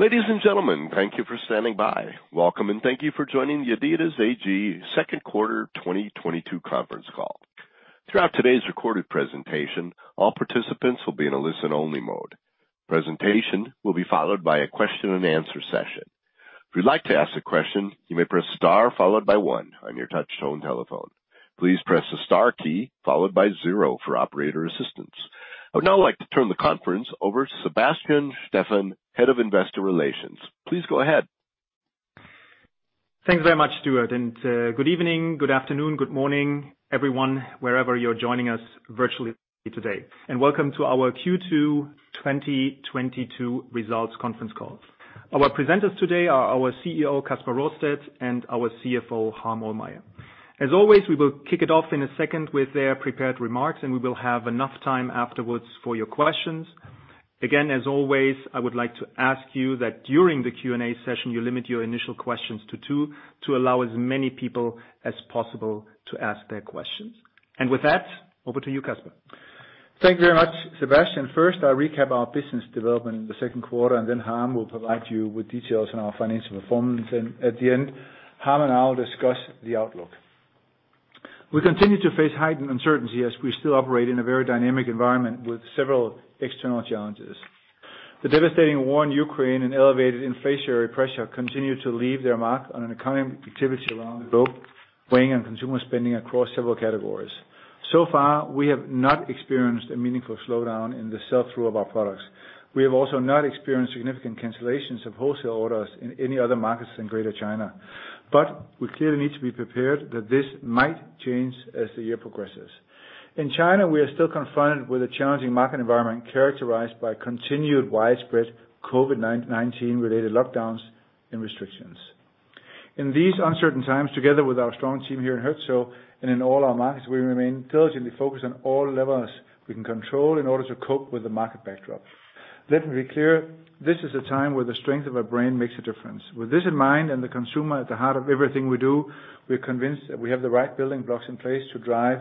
Ladies and gentlemen, thank you for standing by. Welcome, and thank you for joining the adidas AG second quarter 2022 conference call. Throughout today's recorded presentation, all participants will be in a listen-only mode. Presentation will be followed by a question-and-answer session. If you'd like to ask a question, you may press star followed by one on your touchtone telephone. Please press the star key followed by zero for operator assistance. I would now like to turn the conference over to Sebastian Steffen, Head of Investor Relations. Please go ahead. Thanks very much, Stuart, and good evening, good afternoon, good morning, everyone, wherever you're joining us virtually today. Welcome to our Q2 2022 results conference call. Our presenters today are our CEO, Kasper Rorsted, and our CFO, Harm Ohlmeyer. As always, we will kick it off in a second with their prepared remarks, and we will have enough time afterwards for your questions. Again, as always, I would like to ask you that during the Q&A session, you limit your initial questions to two, to allow as many people as possible to ask their questions. With that, over to you, Kasper. Thank you very much, Sebastian. First, I'll recap our business development in the second quarter, and then Harm will provide you with details on our financial performance. At the end, Harm and I'll discuss the outlook. We continue to face heightened uncertainty as we still operate in a very dynamic environment with several external challenges. The devastating war in Ukraine and elevated inflationary pressure continue to leave their mark on economic activity around the globe, weighing on consumer spending across several categories. So far, we have not experienced a meaningful slowdown in the sell-through of our products. We have also not experienced significant cancellations of wholesale orders in any other markets in Greater China. We clearly need to be prepared that this might change as the year progresses. In China, we are still confronted with a challenging market environment characterized by continued widespread COVID-19-related lockdowns and restrictions. In these uncertain times, together with our strong team here in Herzogenaurach and in all our markets, we remain diligently focused on all levels we can control in order to cope with the market backdrop. Let me be clear, this is a time where the strength of our brand makes a difference. With this in mind and the consumer at the heart of everything we do, we're convinced that we have the right building blocks in place to drive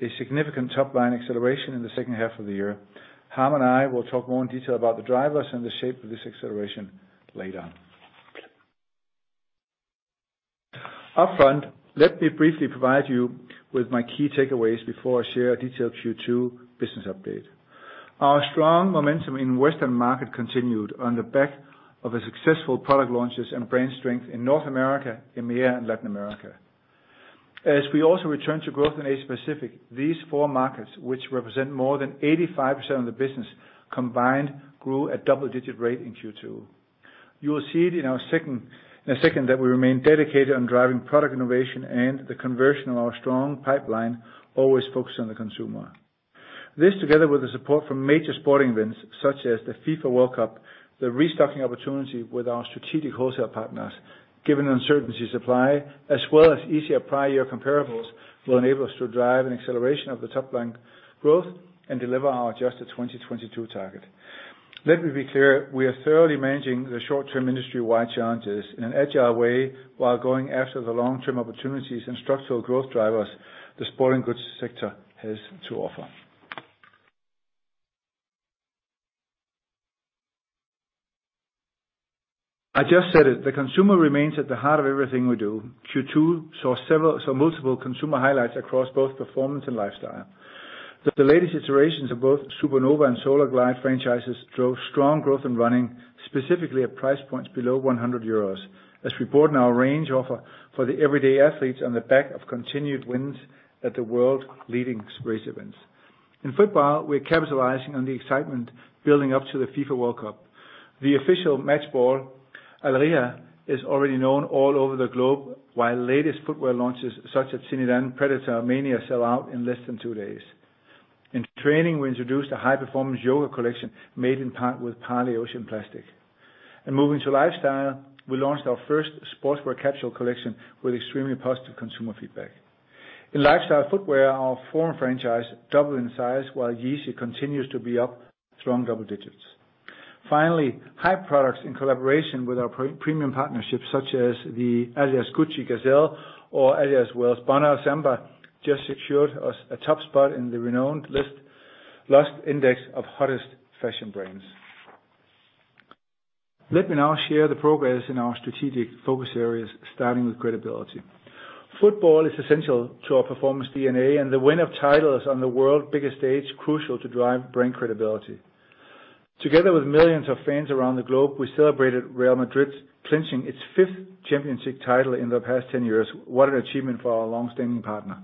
a significant top-line acceleration in the second half of the year. Harm and I will talk more in detail about the drivers and the shape of this acceleration later on. Up front, let me briefly provide you with my key takeaways before I share a detailed Q2 business update. Our strong momentum in Western market continued on the back of a successful product launches and brand strength in North America, EMEA, and Latin America. As we also return to growth in Asia-Pacific, these four markets, which represent more than 85% of the business combined, grew at double-digit rate in Q2. You will see it in a second that we remain dedicated on driving product innovation and the conversion of our strong pipeline, always focused on the consumer. This, together with the support from major sporting events such as the FIFA World Cup, the restocking opportunity with our strategic wholesale partners, given supply uncertainty, as well as easier prior year comparables, will enable us to drive an acceleration of the top-line growth and deliver our adjusted 2022 target. Let me be clear, we are thoroughly managing the short-term industry-wide challenges in an agile way while going after the long-term opportunities and structural growth drivers the sporting goods sector has to offer. I just said it, the consumer remains at the heart of everything we do. Q2 saw multiple consumer highlights across both performance and lifestyle. The latest iterations of both Supernova and Solarglide franchises drove strong growth in running, specifically at price points below 100 euros, as we broaden our range offer for the everyday athletes on the back of continued wins at the world leading race events. In football, we're capitalizing on the excitement building up to the FIFA World Cup. The official match ball, Al Rihla, is already known all over the globe, while latest football launches such as the Predator Mania sell out in less than two days. In training, we introduced a high-performance yoga collection made in part with Parley Ocean Plastic. In moving to lifestyle, we launched our first sportswear capsule collection with extremely positive consumer feedback. In lifestyle footwear, our former franchise doubled in size while Yeezy continues to be up strong double digits. Finally, high products in collaboration with our premium partnerships such as the adidas x Gucci Gazelle or adidas x Wales Bonner Samba just secured us a top spot in the renowned Lyst Index of hottest fashion brands. Let me now share the progress in our strategic focus areas, starting with credibility. Football is essential to our performance DNA and the win of titles on the world's biggest stage crucial to drive brand credibility. Together with millions of fans around the globe, we celebrated Real Madrid clinching its fifth Champions League title in the past 10 years. What an achievement for our long-standing partner.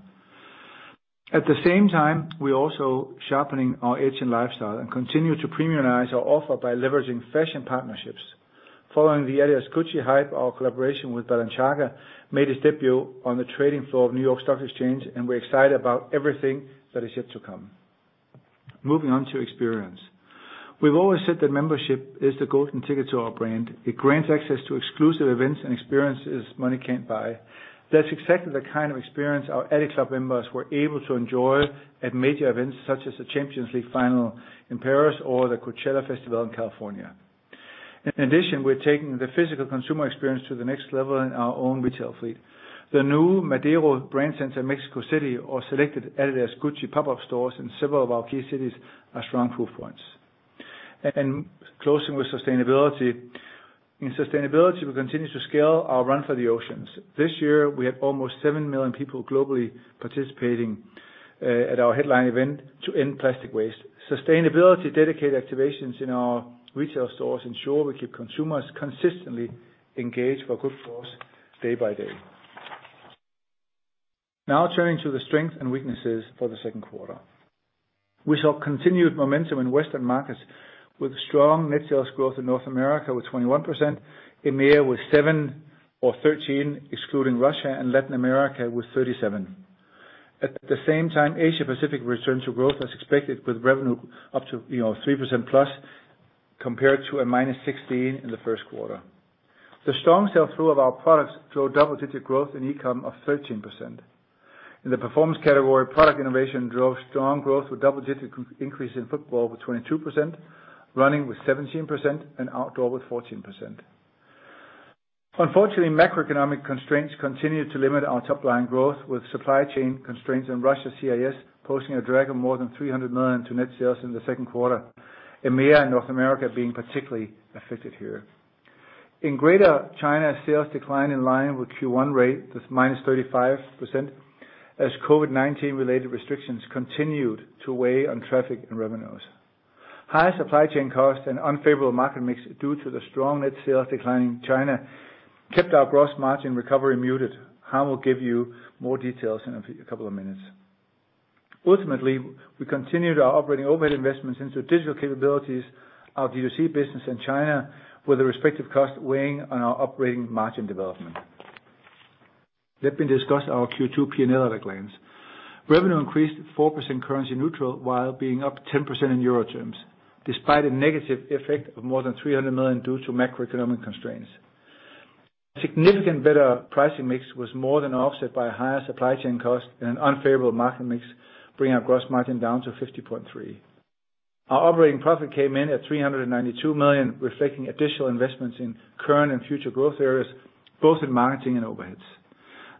At the same time, we're also sharpening our edge in lifestyle and continue to premiumize our offer by leveraging fashion partnerships. Following the adidas x Gucci hype, our collaboration with Balenciaga made its debut on the trading floor of New York Stock Exchange, and we're excited about everything that is yet to come. Moving on to experience. We've always said that membership is the golden ticket to our brand. It grants access to exclusive events and experiences money can't buy. That's exactly the kind of experience our adiClub members were able to enjoy at major events such as the Champions League final in Paris or the Coachella Festival in California. In addition, we're taking the physical consumer experience to the next level in our own retail fleet. The new Madero brand center in Mexico City, or selected adidas x Gucci pop-up stores in several of our key cities are strong proof points. Closing with sustainability. In sustainability, we continue to scale our Run for the Oceans. This year, we had almost 7 million people globally participating at our headline event to end plastic waste. Sustainability dedicated activations in our retail stores ensure we keep consumers consistently engaged for good cause day by day. Now turning to the strengths and weaknesses for the second quarter. We saw continued momentum in Western markets with strong net sales growth in North America with 21%, EMEA with 7 or 13% excluding Russia, and Latin America with 37%. At the same time, Asia-Pacific returned to growth as expected, with revenue up to, you know, 3% plus compared to a -16% in the first quarter. The strong sell-through of our products drove double-digit growth in e-com of 13%. In the performance category, product innovation drove strong growth with double-digit increase in football with 22%, running with 17%, and outdoor with 14%. Unfortunately, macroeconomic constraints continued to limit our top line growth with supply chain constraints in Russia, CIS posing a drag of more than 300 million to net sales in the second quarter, EMEA and North America being particularly affected here. In Greater China, sales declined in line with Q1 rate, that's -35%, as COVID-19 related restrictions continued to weigh on traffic and revenues. Higher supply chain costs and unfavorable market mix due to the strong net sales decline in China kept our gross margin recovery muted. Harm will give you more details in a couple of minutes. Ultimately, we continued our operating overhead investments into digital capabilities, our D2C business in China, with the respective cost weighing on our operating margin development. Let me discuss our Q2 P&L at a glance. Revenue increased 4% currency neutral while being up 10% in Euro terms, despite a negative effect of more than 300 million due to macroeconomic constraints. Significantly better pricing mix was more than offset by higher supply chain costs and an unfavorable market mix, bringing our gross margin down to 50.3%. Our operating profit came in at 392 million, reflecting additional investments in current and future growth areas, both in marketing and overheads.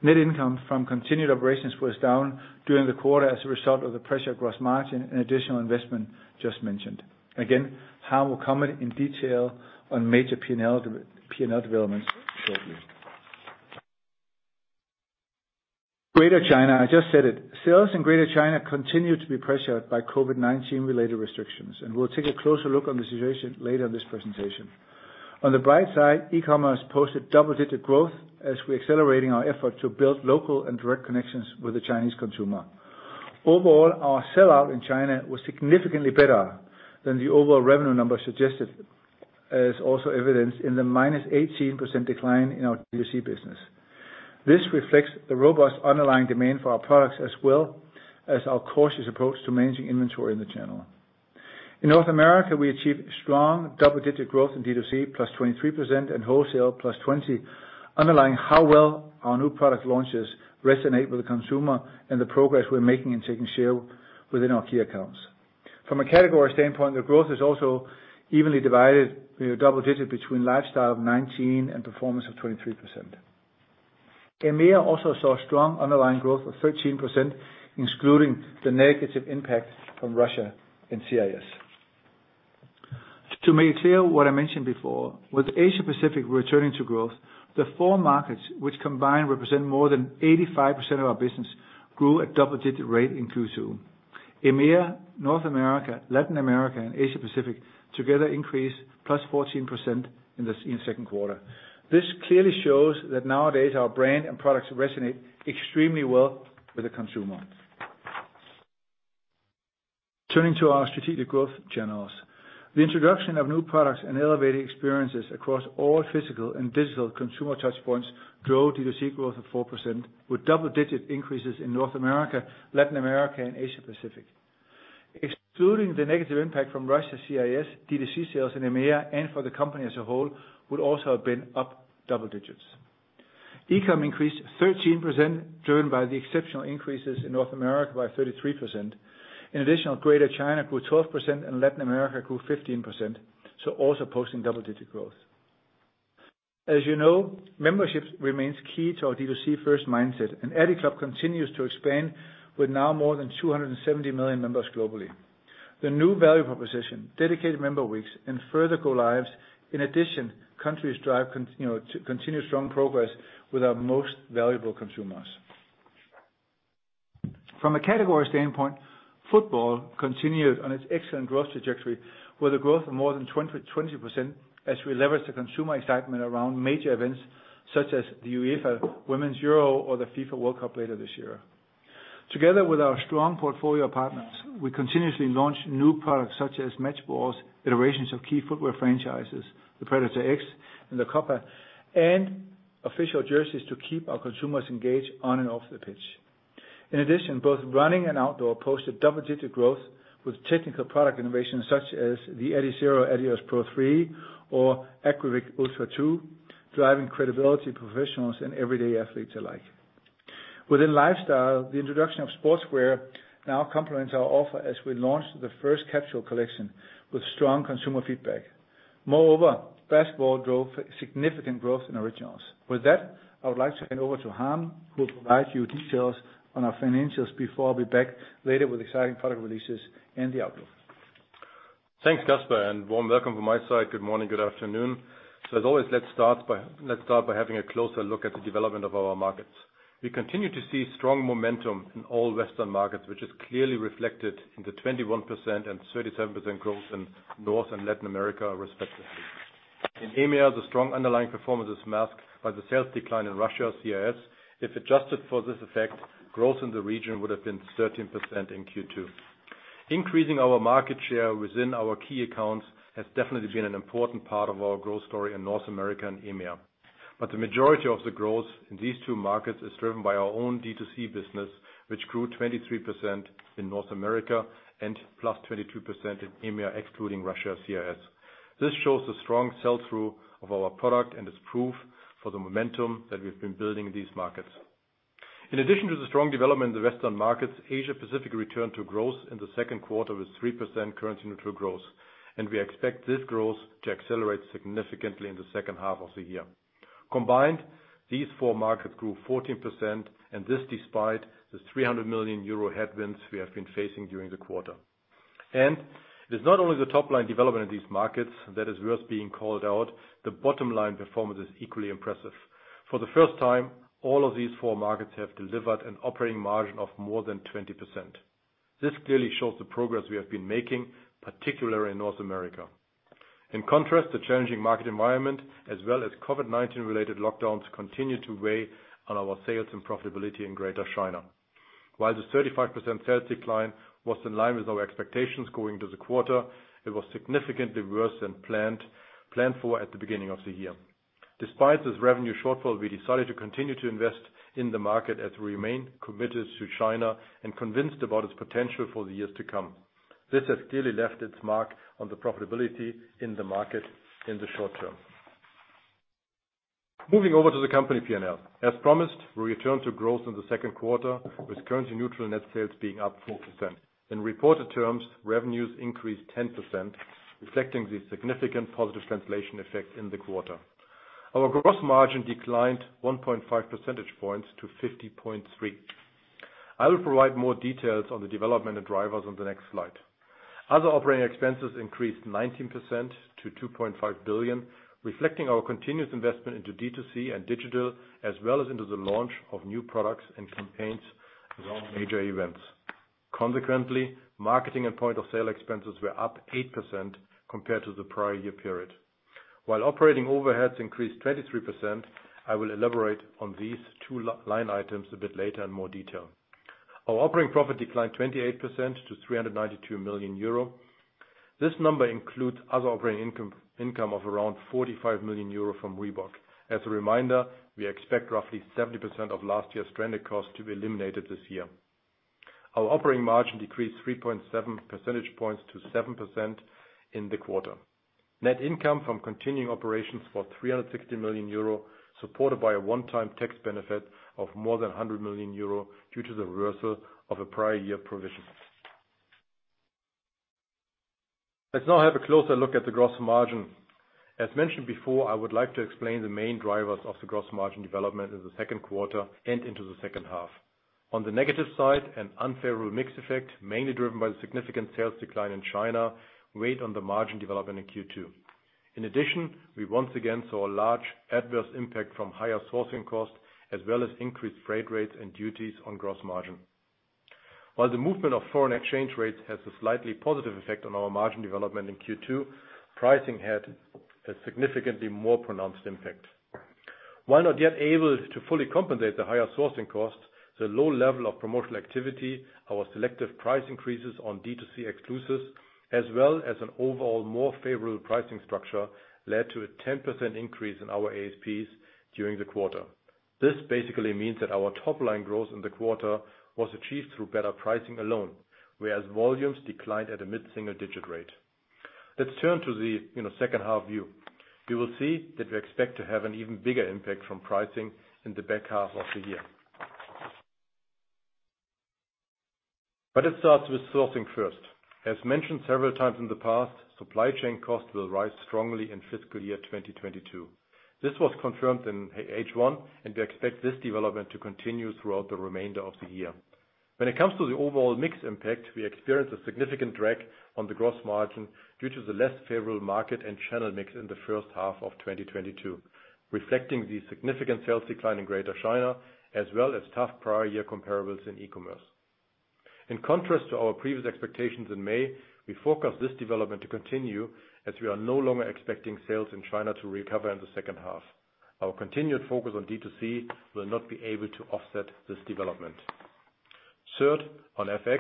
Net income from continued operations was down during the quarter as a result of the gross margin pressure and additional investment just mentioned. Again, Harm will comment in detail on major P&L developments shortly. Greater China, I just said it. Sales in Greater China continued to be pressured by COVID-19 related restrictions, and we'll take a closer look on the situation later in this presentation. On the bright side, e-commerce posted double-digit growth as we're accelerating our effort to build local and direct connections with the Chinese consumer. Overall, our sell-out in China was significantly better than the overall revenue numbers suggested, as also evidenced in the -18% decline in our D2C business. This reflects the robust underlying demand for our products, as well as our cautious approach to managing inventory in the channel. In North America, we achieved strong double-digit growth in D2C, +23%, and wholesale +20%, underlying how well our new product launches resonate with the consumer and the progress we're making in taking share within our key accounts. From a category standpoint, the growth is also evenly divided with double-digit between lifestyle of 19% and performance of 23%. EMEA also saw strong underlying growth of 13%, excluding the negative impact from Russia and CIS. To make clear what I mentioned before, with Asia-Pacific returning to growth, the four markets, which combined represent more than 85% of our business, grew at double-digit rate in Q2. EMEA, North America, Latin America, and Asia-Pacific together increased +14% in the second quarter. This clearly shows that nowadays our brand and products resonate extremely well with the consumer. Turning to our strategic growth channels. The introduction of new products and elevating experiences across all physical and digital consumer touchpoints drove D2C growth of 4%, with double-digit increases in North America, Latin America, and Asia-Pacific. Excluding the negative impact from Russia, CIS, D2C sales in EMEA and for the company as a whole would also have been up double digits. E-com increased 13%, driven by the exceptional increases in North America by 33%. In addition, Greater China grew 12% and Latin America grew 15%, so also posting double-digit growth. As you know, memberships remains key to our D2C first mindset, and adiClub continues to expand with now more than 270 million members globally. The new value proposition, dedicated member weeks, and further go lives. In addition, countries drive you know, to continue strong progress with our most valuable consumers. From a category standpoint, football continued on its excellent growth trajectory with a growth of more than 20% as we leverage the consumer excitement around major events such as the UEFA Women's Euro or the FIFA World Cup later this year. Together with our strong portfolio partners, we continuously launch new products such as Match Balls, iterations of key footwear franchises, the Predator X and the Copa, and official jerseys to keep our consumers engaged on and off the pitch. In addition, both running and outdoor posted double-digit growth with technical product innovations such as the Adizero Adios Pro 3 or Terrex Agravic Ultra 2, driving credibility professionals and everyday athletes alike. Within lifestyle, the introduction of Sportswear now complements our offer as we launched the first capsule collection with strong consumer feedback. Moreover, basketball drove significant growth in Originals. With that, I would like to hand over to Harm, who will provide you details on our financials before I'll be back later with exciting product releases and the outlook. Thanks, Kasper, and warm welcome from my side. Good morning, good afternoon. As always, let's start by having a closer look at the development of our markets. We continue to see strong momentum in all Western markets, which is clearly reflected in the 21% and 37% growth in North and Latin America respectively. In EMEA, the strong underlying performance is masked by the sales decline in Russia CIS. If adjusted for this effect, growth in the region would have been 13% in Q2. Increasing our market share within our key accounts has definitely been an important part of our growth story in North America and EMEA. The majority of the growth in these two markets is driven by our own D2C business, which grew 23% in North America and +22% in EMEA, excluding Russia CIS. This shows the strong sell-through of our product and is proof for the momentum that we've been building in these markets. In addition to the strong development in the Western markets, Asia Pacific returned to growth in the second quarter with 3% currency neutral growth, and we expect this growth to accelerate significantly in the second half of the year. Combined, these four markets grew 14%, and this despite the 300 million euro headwinds we have been facing during the quarter. It is not only the top line development in these markets that is worth being called out, the bottom line performance is equally impressive. For the first time, all of these four markets have delivered an operating margin of more than 20%. This clearly shows the progress we have been making, particularly in North America. In contrast to the changing market environment, as well as COVID-19 related lockdowns continue to weigh on our sales and profitability in Greater China. While the 35% sales decline was in line with our expectations going into the quarter, it was significantly worse than planned for at the beginning of the year. Despite this revenue shortfall, we decided to continue to invest in the market as we remain committed to China and convinced about its potential for the years to come. This has clearly left its mark on the profitability in the market in the short term. Moving over to the company P&L. As promised, we returned to growth in the second quarter, with currency neutral net sales being up 4%. In reported terms, revenues increased 10%, reflecting the significant positive translation effect in the quarter. Our gross margin declined 1.5 percentage points to 50.3%. I will provide more details on the development and drivers on the next slide. Other operating expenses increased 19% to 2.5 billion, reflecting our continuous investment into D2C and digital, as well as into the launch of new products and campaigns around major events. Consequently, marketing and point of sale expenses were up 8% compared to the prior year period. While operating overheads increased 23%, I will elaborate on these two line items a bit later in more detail. Our operating profit declined 28% to 392 million euro. This number includes other operating income of around 45 million euro from Reebok. As a reminder, we expect roughly 70% of last year's stranded costs to be eliminated this year. Our operating margin decreased 3.7 percentage points to 7% in the quarter. Net income from continuing operations was 360 million euro, supported by a one-time tax benefit of more than 100 million euro due to the reversal of a prior year provision. Let's now have a closer look at the gross margin. As mentioned before, I would like to explain the main drivers of the gross margin development in the second quarter and into the second half. On the negative side, an unfavorable mix effect, mainly driven by the significant sales decline in China, weighed on the margin development in Q2. In addition, we once again saw a large adverse impact from higher sourcing costs as well as increased freight rates and duties on gross margin. While the movement of foreign exchange rates has a slightly positive effect on our margin development in Q2, pricing had a significantly more pronounced impact. While not yet able to fully compensate the higher sourcing cost, the low level of promotional activity, our selective price increases on D2C exclusives, as well as an overall more favorable pricing structure led to a 10% increase in our ASPs during the quarter. This basically means that our top line growth in the quarter was achieved through better pricing alone, whereas volumes declined at a mid-single digit rate. Let's turn to the, you know, second half view. You will see that we expect to have an even bigger impact from pricing in the back half of the year. But it starts with sourcing first. As mentioned several times in the past, supply chain costs will rise strongly in FY22. This was confirmed in H1, and we expect this development to continue throughout the remainder of the year. When it comes to the overall mix impact, we experienced a significant drag on the gross margin due to the less favorable market and channel mix in the first half of 2022, reflecting the significant sales decline in Greater China, as well as tough prior year comparables in e-commerce. In contrast to our previous expectations in May, we forecast this development to continue as we are no longer expecting sales in China to recover in the second half. Our continued focus on D2C will not be able to offset this development. Third, on FX,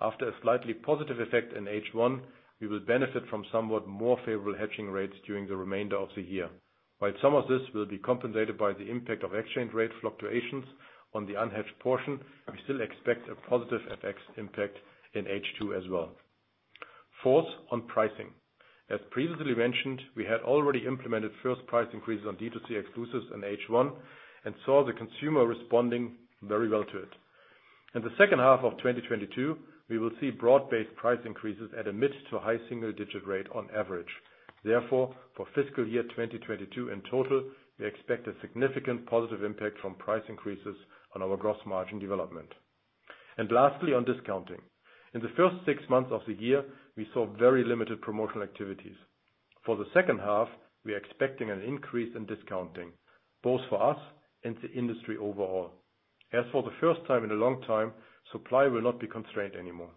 after a slightly positive effect in H1, we will benefit from somewhat more favorable hedging rates during the remainder of the year. While some of this will be compensated by the impact of exchange rate fluctuations on the unhedged portion, we still expect a positive FX impact in H2 as well. Fourth, on pricing. As previously mentioned, we had already implemented first price increases on D2C exclusives in H1 and saw the consumer responding very well to it. In the second half of 2022, we will see broad-based price increases at a mid- to high-single-digit rate on average. Therefore, for FY22 in total, we expect a significant positive impact from price increases on our gross margin development. Lastly, on discounting. In the first six months of the year, we saw very limited promotional activities. For the second half, we are expecting an increase in discounting, both for us and the industry overall. As for the first time in a long time, supply will not be constrained anymore.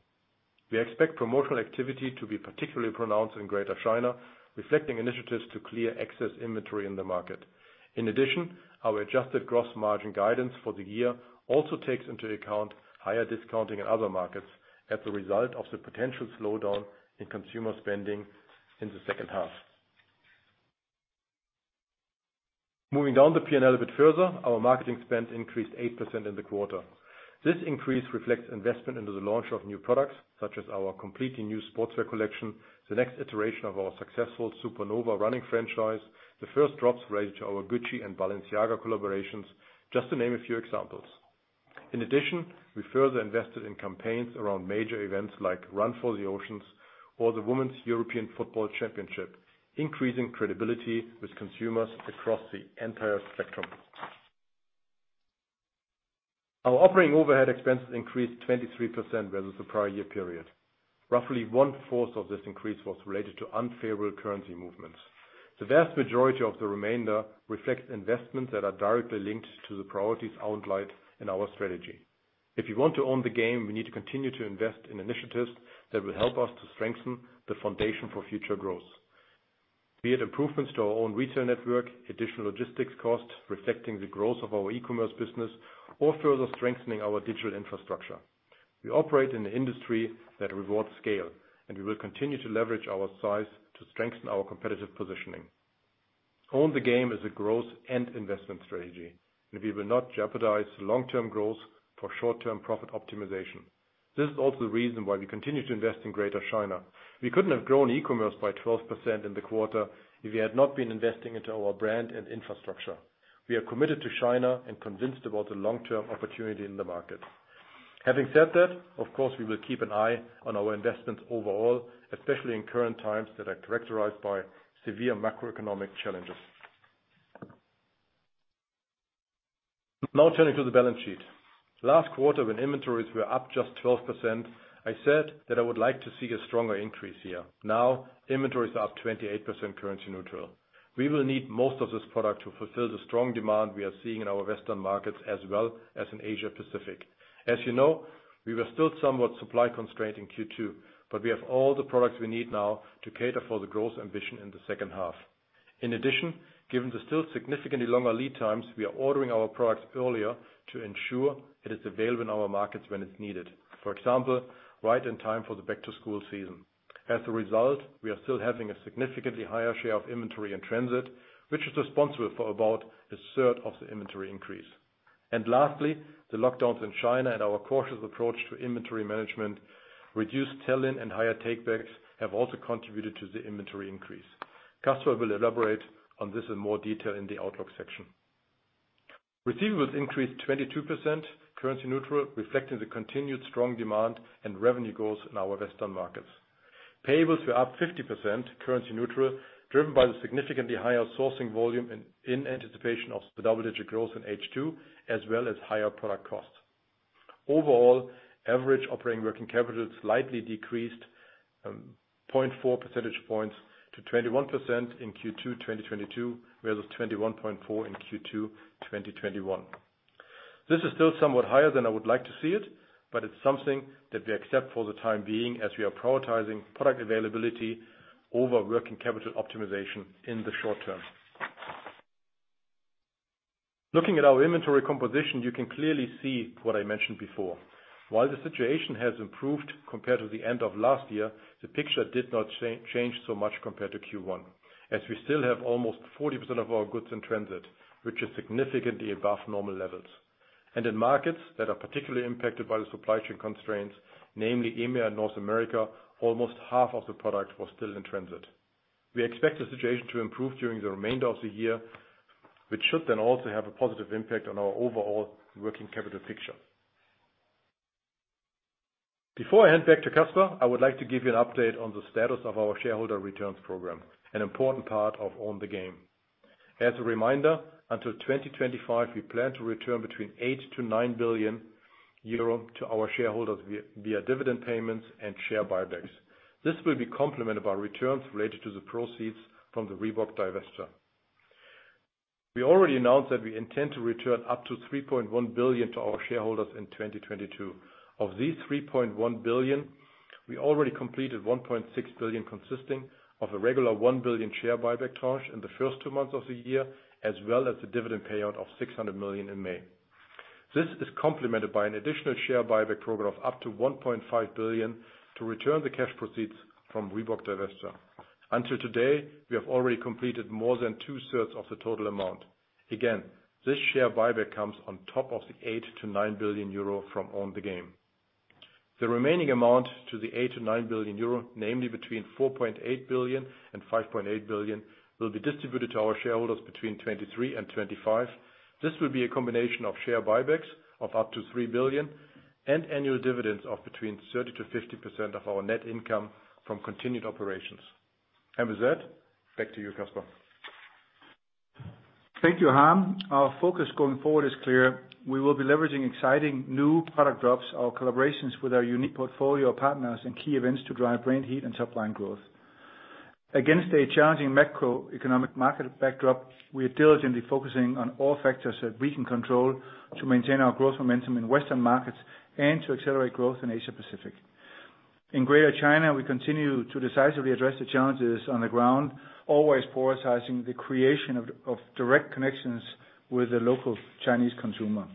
We expect promotional activity to be particularly pronounced in Greater China, reflecting initiatives to clear excess inventory in the market. In addition, our adjusted gross margin guidance for the year also takes into account higher discounting in other markets as a result of the potential slowdown in consumer spending in the second half. Moving down the P&L a bit further, our marketing spend increased 8% in the quarter. This increase reflects investment into the launch of new products, such as our completely new sportswear collection, the next iteration of our successful Supernova running franchise, the first drops related to our Gucci and Balenciaga collaborations, just to name a few examples. In addition, we further invested in campaigns around major events like Run For The Oceans or the Women's European Football Championship, increasing credibility with consumers across the entire spectrum. Our operating overhead expenses increased 23% versus the prior year period. Roughly one-fourth of this increase was related to unfavorable currency movements. The vast majority of the remainder reflects investments that are directly linked to the priorities outlined in our strategy. If you want to Own the Game, we need to continue to invest in initiatives that will help us to strengthen the foundation for future growth. Be it improvements to our own retail network, additional logistics costs reflecting the growth of our e-commerce business, or further strengthening our digital infrastructure. We operate in an industry that rewards scale, and we will continue to leverage our size to strengthen our competitive positioning. Own the Game is a growth and investment strategy, and we will not jeopardize long-term growth for short-term profit optimization. This is also the reason why we continue to invest in Greater China. We couldn't have grown e-commerce by 12% in the quarter if we had not been investing into our brand and infrastructure. We are committed to China and convinced about the long-term opportunity in the market. Having said that, of course, we will keep an eye on our investments overall, especially in current times that are characterized by severe macroeconomic challenges. Now turning to the balance sheet. Last quarter, when inventories were up just 12%, I said that I would like to see a stronger increase here. Now, inventories are up 28% currency neutral. We will need most of this product to fulfill the strong demand we are seeing in our Western markets as well as in Asia-Pacific. As you know, we were still somewhat supply constrained in Q2, but we have all the products we need now to cater for the growth ambition in the second half. In addition, given the still significantly longer lead times, we are ordering our products earlier to ensure it is available in our markets when it's needed, for example, right in time for the back-to-school season. As a result, we are still having a significantly higher share of inventory in transit, which is responsible for about a third of the inventory increase. Lastly, the lockdowns in China and our cautious approach to inventory management, reduced tail-in and higher takebacks have also contributed to the inventory increase. Kasper will elaborate on this in more detail in the outlook section. Receivables increased 22% currency neutral, reflecting the continued strong demand and revenue goals in our Western markets. Payables were up 50% currency neutral, driven by the significantly higher sourcing volume in anticipation of the double-digit growth in H2, as well as higher product costs. Overall, average operating working capital slightly decreased 0.4 percentage points to 21% in Q2 2022, whereas 21.4 in Q2 2021. This is still somewhat higher than I would like to see it, but it's something that we accept for the time being as we are prioritizing product availability over working capital optimization in the short term. Looking at our inventory composition, you can clearly see what I mentioned before. While the situation has improved compared to the end of last year, the picture did not change so much compared to Q1, as we still have almost 40% of our goods in transit, which is significantly above normal levels. In markets that are particularly impacted by the supply chain constraints, namely EMEA and North America, almost half of the product was still in transit. We expect the situation to improve during the remainder of the year, which should then also have a positive impact on our overall working capital picture. Before I hand back to Kasper, I would like to give you an update on the status of our shareholder returns program, an important part of Own the Game. As a reminder, until 2025, we plan to return between 8 billion-9 billion euro to our shareholders via dividend payments and share buybacks. This will be complemented by returns related to the proceeds from the Reebok divestiture. We already announced that we intend to return up to 3.1 billion to our shareholders in 2022. Of these 3.1 billion, we already completed 1.6 billion consisting of a regular 1 billion share buyback tranche in the first two months of the year, as well as the dividend payout of 600 million in May. This is complemented by an additional share buyback program of up to 1.5 billion to return the cash proceeds from Reebok divestiture. Until today, we have already completed more than two-thirds of the total amount. Again, this share buyback comes on top of the 8 billion-9 billion euro from Own the Game. The remaining amount up to the 8 billion-9 billion euro, namely between 4.8 billion and 5.8 billion, will be distributed to our shareholders between 2023 and 2025. This will be a combination of share buybacks of up to 3 billion and annual dividends of between 30%-50% of our net income from continued operations. With that, back to you, Kasper. Thank you, Harm. Our focus going forward is clear. We will be leveraging exciting new product drops, our collaborations with our unique portfolio partners, and key events to drive brand heat and top-line growth. Against a challenging macroeconomic market backdrop, we are diligently focusing on all factors that we can control to maintain our growth momentum in Western markets and to accelerate growth in Asia Pacific. In Greater China, we continue to decisively address the challenges on the ground, always prioritizing the creation of direct connections with the local Chinese consumer.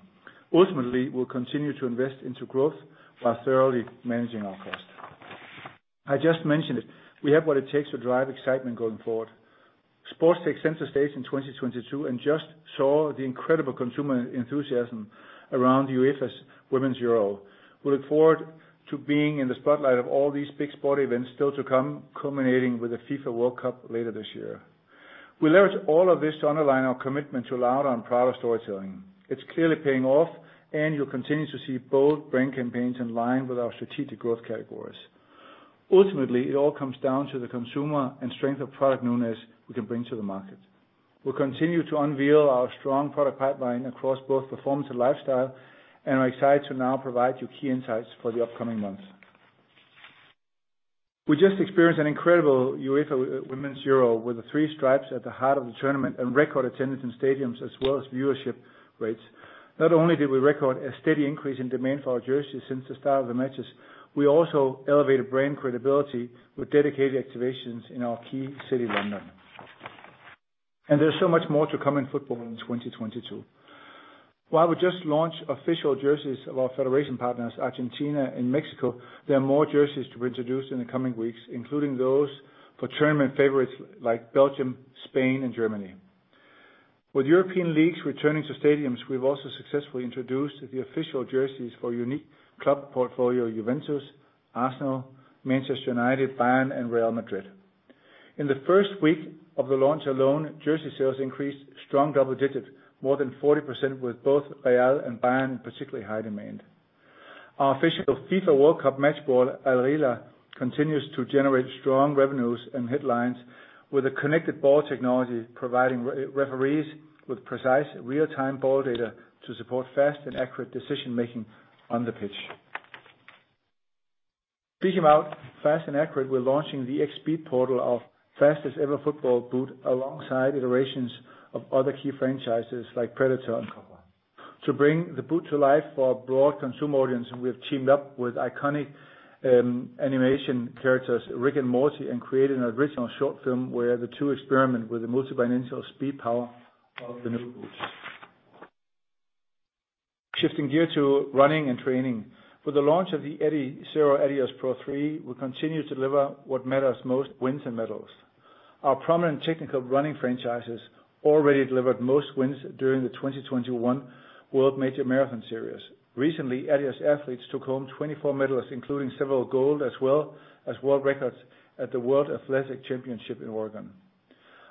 Ultimately, we'll continue to invest into growth while thoroughly managing our cost. I just mentioned it, we have what it takes to drive excitement going forward. Sports take center stage in 2022, and we just saw the incredible consumer enthusiasm around UEFA Women's Euro. We look forward to being in the spotlight of all these big sport events still to come, culminating with the FIFA World Cup later this year. We leverage all of this to underline our commitment to louder and prouder storytelling. It's clearly paying off, and you'll continue to see bold brand campaigns in line with our strategic growth categories. Ultimately, it all comes down to the consumer and strength of product known as we can bring to the market. We'll continue to unveil our strong product pipeline across both performance and lifestyle, and are excited to now provide you key insights for the upcoming months. We just experienced an incredible UEFA Women's Euro with the three stripes at the heart of the tournament and record attendance in stadiums, as well as viewership rates. Not only did we record a steady increase in demand for our jerseys since the start of the matches, we also elevated brand credibility with dedicated activations in our key city, London. There's so much more to come in football in 2022. While we just launched official jerseys of our federation partners, Argentina and Mexico, there are more jerseys to introduce in the coming weeks, including those for tournament favorites like Belgium, Spain, and Germany. With European leagues returning to stadiums, we've also successfully introduced the official jerseys for unique club portfolio, Juventus, Arsenal, Manchester United, Bayern, and Real Madrid. In the first week of the launch alone, jersey sales increased strong double digits, more than 40%, with both Real and Bayern particularly high demand. Our official FIFA World Cup match ball, Al Rihla, continues to generate strong revenues and headlines with the connected ball technology, providing referees with precise real-time ball data to support fast and accurate decision-making on the pitch. Speaking about fast and accurate, we're launching the X Speedportal, our fastest-ever football boot, alongside iterations of other key franchises like Predator and Copa. To bring the boot to life for a broad consumer audience, we have teamed up with iconic animation characters, Rick and Morty, and created an original short film where the two experiment with the multidirectional speed power of the new boots. Shifting gear to running and training. With the launch of the Adizero Adios Pro 3, we continue to deliver what matters most, wins and medals. Our prominent technical running franchises already delivered most wins during the 2021 World Marathon Majors. Recently, adidas athletes took home 24 medals, including several gold, as well as world records at the World Athletics Championships in Oregon.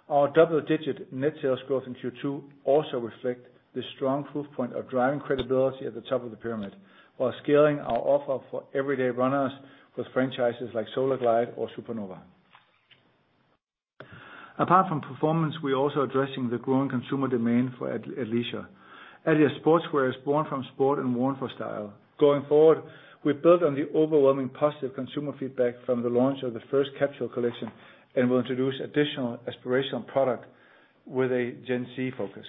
Our double-digit net sales growth in Q2 also reflect the strong proof point of driving credibility at the top of the pyramid, while scaling our offer for everyday runners with franchises like Solarglide or Supernova. Apart from performance, we're also addressing the growing consumer demand for Adilette. adidas Sportswear is born from sport and worn for style. Going forward, we build on the overwhelming positive consumer feedback from the launch of the first capsule collection, and we'll introduce additional aspirational product with a Gen Z focus.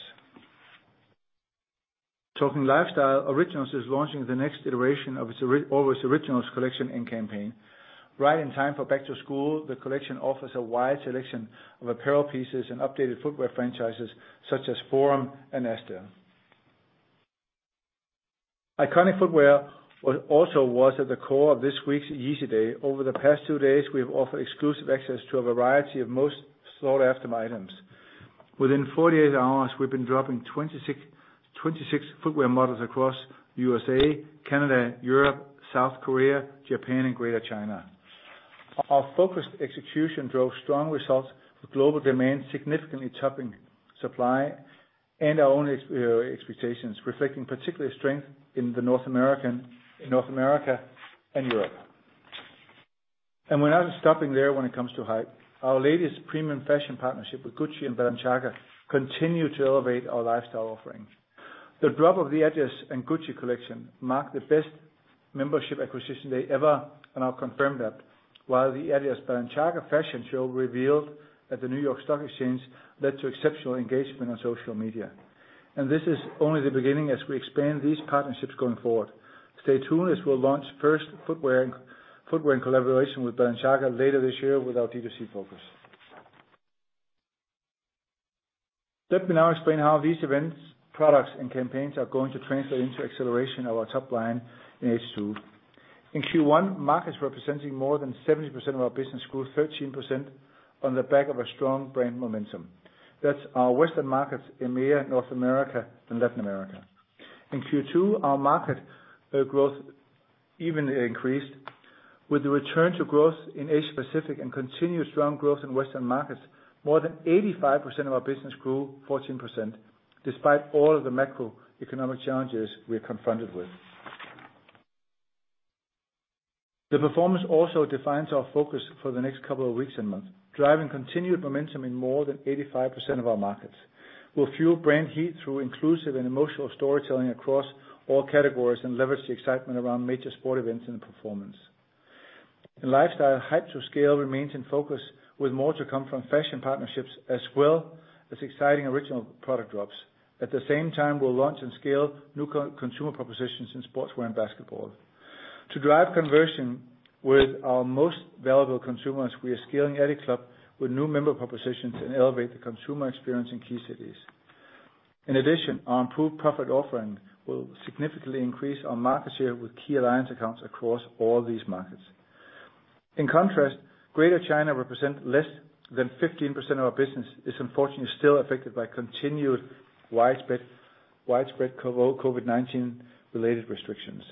Talking lifestyle, Originals is launching the next iteration of its Always Originals collection and campaign. Right in time for back to school, the collection offers a wide selection of apparel pieces and updated footwear franchises such as Forum and Gazelle. Iconic footwear also was at the core of this week's Yeezy Day. Over the past two days, we have offered exclusive access to a variety of most sought-after items. Within 48 hours, we've been dropping 26 footwear models across USA, Canada, Europe, South Korea, Japan, and Greater China. Our focused execution drove strong results, with global demand significantly topping supply and our own expectations, reflecting particular strength in North America and Europe. We're not stopping there when it comes to hype. Our latest premium fashion partnership with Gucci and Balenciaga continue to elevate our lifestyle offering. The drop of the adidas x Gucci collection marked the best membership acquisition day ever, and I'll confirm that. While the adidas x Balenciaga fashion show revealed at the New York Stock Exchange led to exceptional engagement on social media. This is only the beginning as we expand these partnerships going forward. Stay tuned as we'll launch first footwear in collaboration with Balenciaga later this year with our D2C focus. Let me now explain how these events, products, and campaigns are going to translate into acceleration of our top line in H2. In Q1, markets representing more than 70% of our business grew 13% on the back of a strong brand momentum. That's our Western markets, EMEA, North America, and Latin America. In Q2, our market growth even increased with the return to growth in Asia-Pacific and continuous strong growth in Western markets. More than 85% of our business grew 14%, despite all of the macroeconomic challenges we are confronted with. The performance also defines our focus for the next couple of weeks and months, driving continued momentum in more than 85% of our markets. We'll fuel brand heat through inclusive and emotional storytelling across all categories, and leverage the excitement around major sports events and performance. In lifestyle, hype to scale remains in focus with more to come from fashion partnerships as well as exciting Originals product drops. At the same time, we'll launch and scale new consumer propositions in sportswear and basketball. To drive conversion with our most valuable consumers, we are scaling adiClub with new member propositions and elevate the consumer experience in key cities. In addition, our improved product offering will significantly increase our market share with key alliance accounts across all these markets. In contrast, Greater China represent less than 15% of our business. It's unfortunately still affected by continued widespread COVID-19-related restrictions.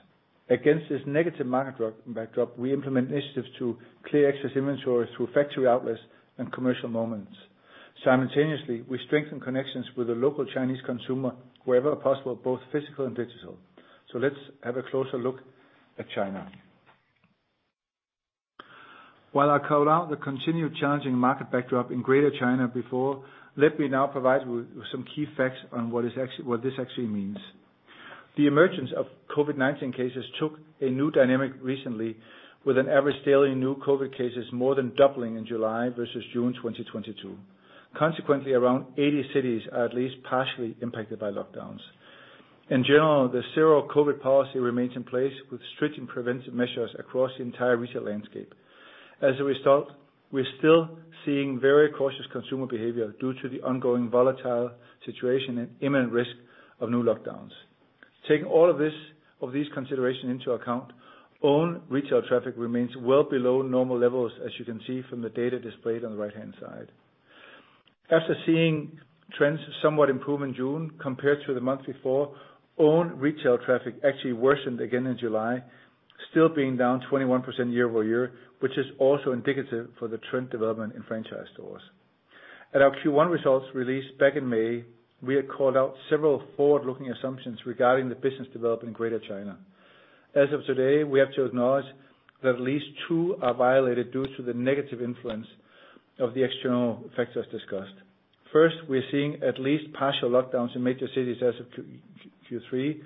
Against this negative backdrop, we implement initiatives to clear excess inventory through factory outlets and commercial moments. Simultaneously, we strengthen connections with the local Chinese consumer wherever possible, both physical and digital. Let's have a closer look at China. While I called out the continued challenging market backdrop in Greater China before, let me now provide with some key facts on what this actually means. The emergence of COVID-19 cases took a new dynamic recently with an average daily new COVID cases more than doubling in July versus June 2022. Consequently, around 80 cities are at least partially impacted by lockdowns. In general, the zero-COVID policy remains in place with stringent preventive measures across the entire retail landscape. As a result, we're still seeing very cautious consumer behavior due to the ongoing volatile situation and imminent risk of new lockdowns. Taking all of these considerations into account, own retail traffic remains well below normal levels, as you can see from the data displayed on the right-hand side. After seeing trends somewhat improve in June compared to the month before, own retail traffic actually worsened again in July, still being down 21% year-over-year, which is also indicative for the trend development in franchise stores. At our Q1 results released back in May, we had called out several forward-looking assumptions regarding the business development in Greater China. As of today, we have to acknowledge that at least two are violated due to the negative influence of the external factors discussed. First, we're seeing at least partial lockdowns in major cities as of Q3.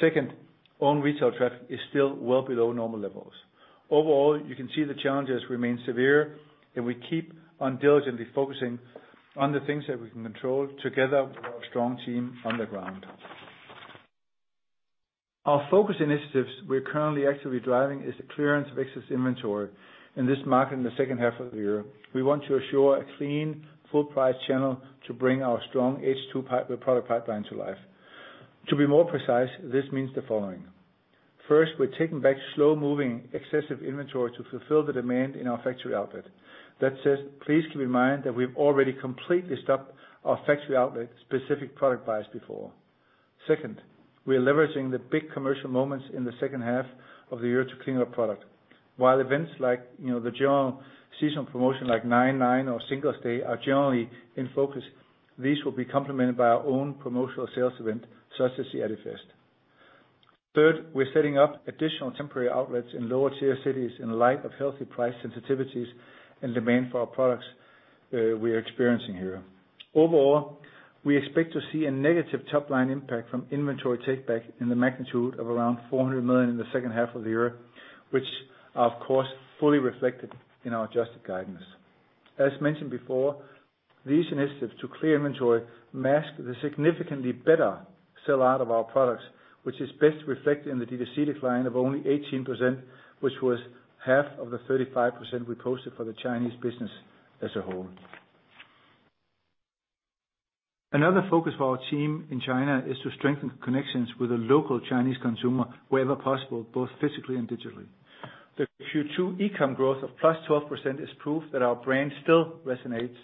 Second, own retail traffic is still well below normal levels. Overall, you can see the challenges remain severe, and we keep on diligently focusing on the things that we can control together with our strong team on the ground. Our focus initiatives we're currently actively driving is the clearance of excess inventory in this market in the second half of the year. We want to assure a clean, full-price channel to bring our strong H2 product pipeline to life. To be more precise, this means the following. First, we're taking back slow-moving excessive inventory to fulfill the demand in our factory outlet. That said, please keep in mind that we've already completely stopped our factory outlet-specific product buys before. Second, we are leveraging the big commercial moments in the second half of the year to clean our product. While events like, you know, the general season promotion like 9.9 or Singles' Day are generally in focus, these will be complemented by our own promotional sales event, such as the adiFest. Third, we're setting up additional temporary outlets in lower-tier cities in light of healthy price sensitivities and demand for our products, we are experiencing here. Overall, we expect to see a negative top-line impact from inventory take back in the magnitude of around 400 million in the second half of the year, which are of course fully reflected in our adjusted guidance. As mentioned before, these initiatives to clear inventory mask the significantly better sell-out of our products, which is best reflected in the D2C decline of only 18%, which was half of the 35% we posted for the Chinese business as a whole. Another focus of our team in China is to strengthen connections with the local Chinese consumer wherever possible, both physically and digitally. The Q2 e-com growth of +12% is proof that our brand still resonates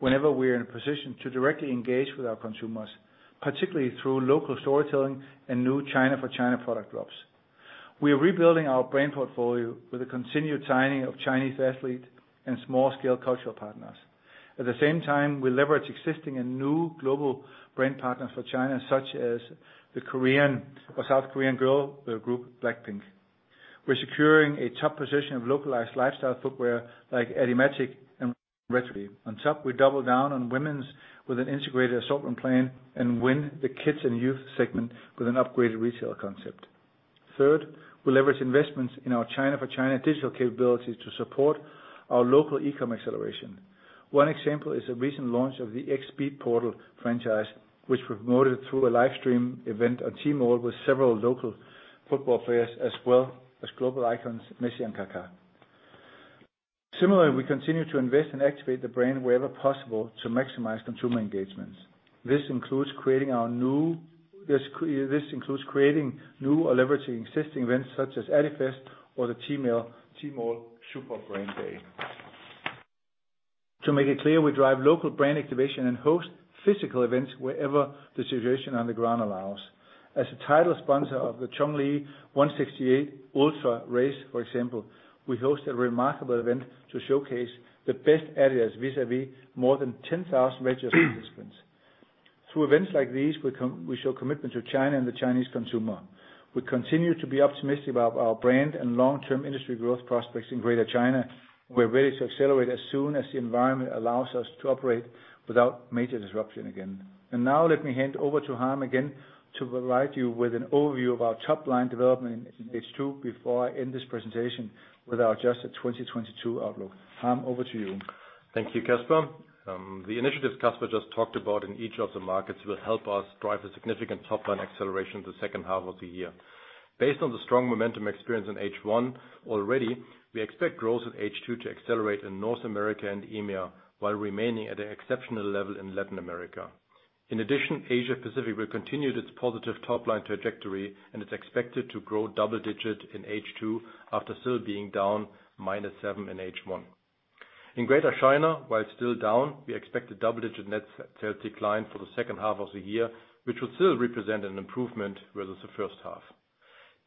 whenever we're in a position to directly engage with our consumers, particularly through local storytelling and new China-for-China product drops. We are rebuilding our brand portfolio with the continued signing of Chinese athlete and small-scale cultural partners. At the same time, we leverage existing and new global brand partners for China, such as the Korean or South Korean girl group BLACKPINK. We're securing a top position of localized lifestyle footwear like Adimatic and Rugby. On top, we double down on women's with an integrated assortment plan and win the kids and youth segment with an upgraded retail concept. Third, we leverage investments in our China-for-China digital capabilities to support our local e-com acceleration. One example is the recent launch of the X Speedportal franchise, which we promoted through a live stream event on Tmall with several local football players, as well as global icons Messi and Kaká. Similarly, we continue to invest and activate the brand wherever possible to maximize consumer engagements. This includes creating new or leveraging existing events such as adiFest or the Tmall Super Brand Day. To make it clear, we drive local brand activation and host physical events wherever the situation on the ground allows. As a title sponsor of the Chongqing 168 International Ultra Trail Challenge, for example, we host a remarkable event to showcase the best areas vis-à-vis more than 10,000 registered participants. Through events like these, we show commitment to China and the Chinese consumer. We continue to be optimistic about our brand and long-term industry growth prospects in Greater China. We're ready to accelerate as soon as the environment allows us to operate without major disruption again. Now let me hand over to Harm again to provide you with an overview of our top line development in H2 before I end this presentation with our adjusted 2022 outlook. Harm, over to you. Thank you, Kasper. The initiatives Kasper just talked about in each of the markets will help us drive a significant top-line acceleration the second half of the year. Based on the strong momentum experienced in H1 already, we expect growth in H2 to accelerate in North America and EMEA, while remaining at an exceptional level in Latin America. In addition, Asia Pacific will continue its positive top-line trajectory, and it's expected to grow double-digit in H2 after still being down -7% in H1. In Greater China, while it's still down, we expect a double-digit net sales decline for the second half of the year, which will still represent an improvement versus the first half.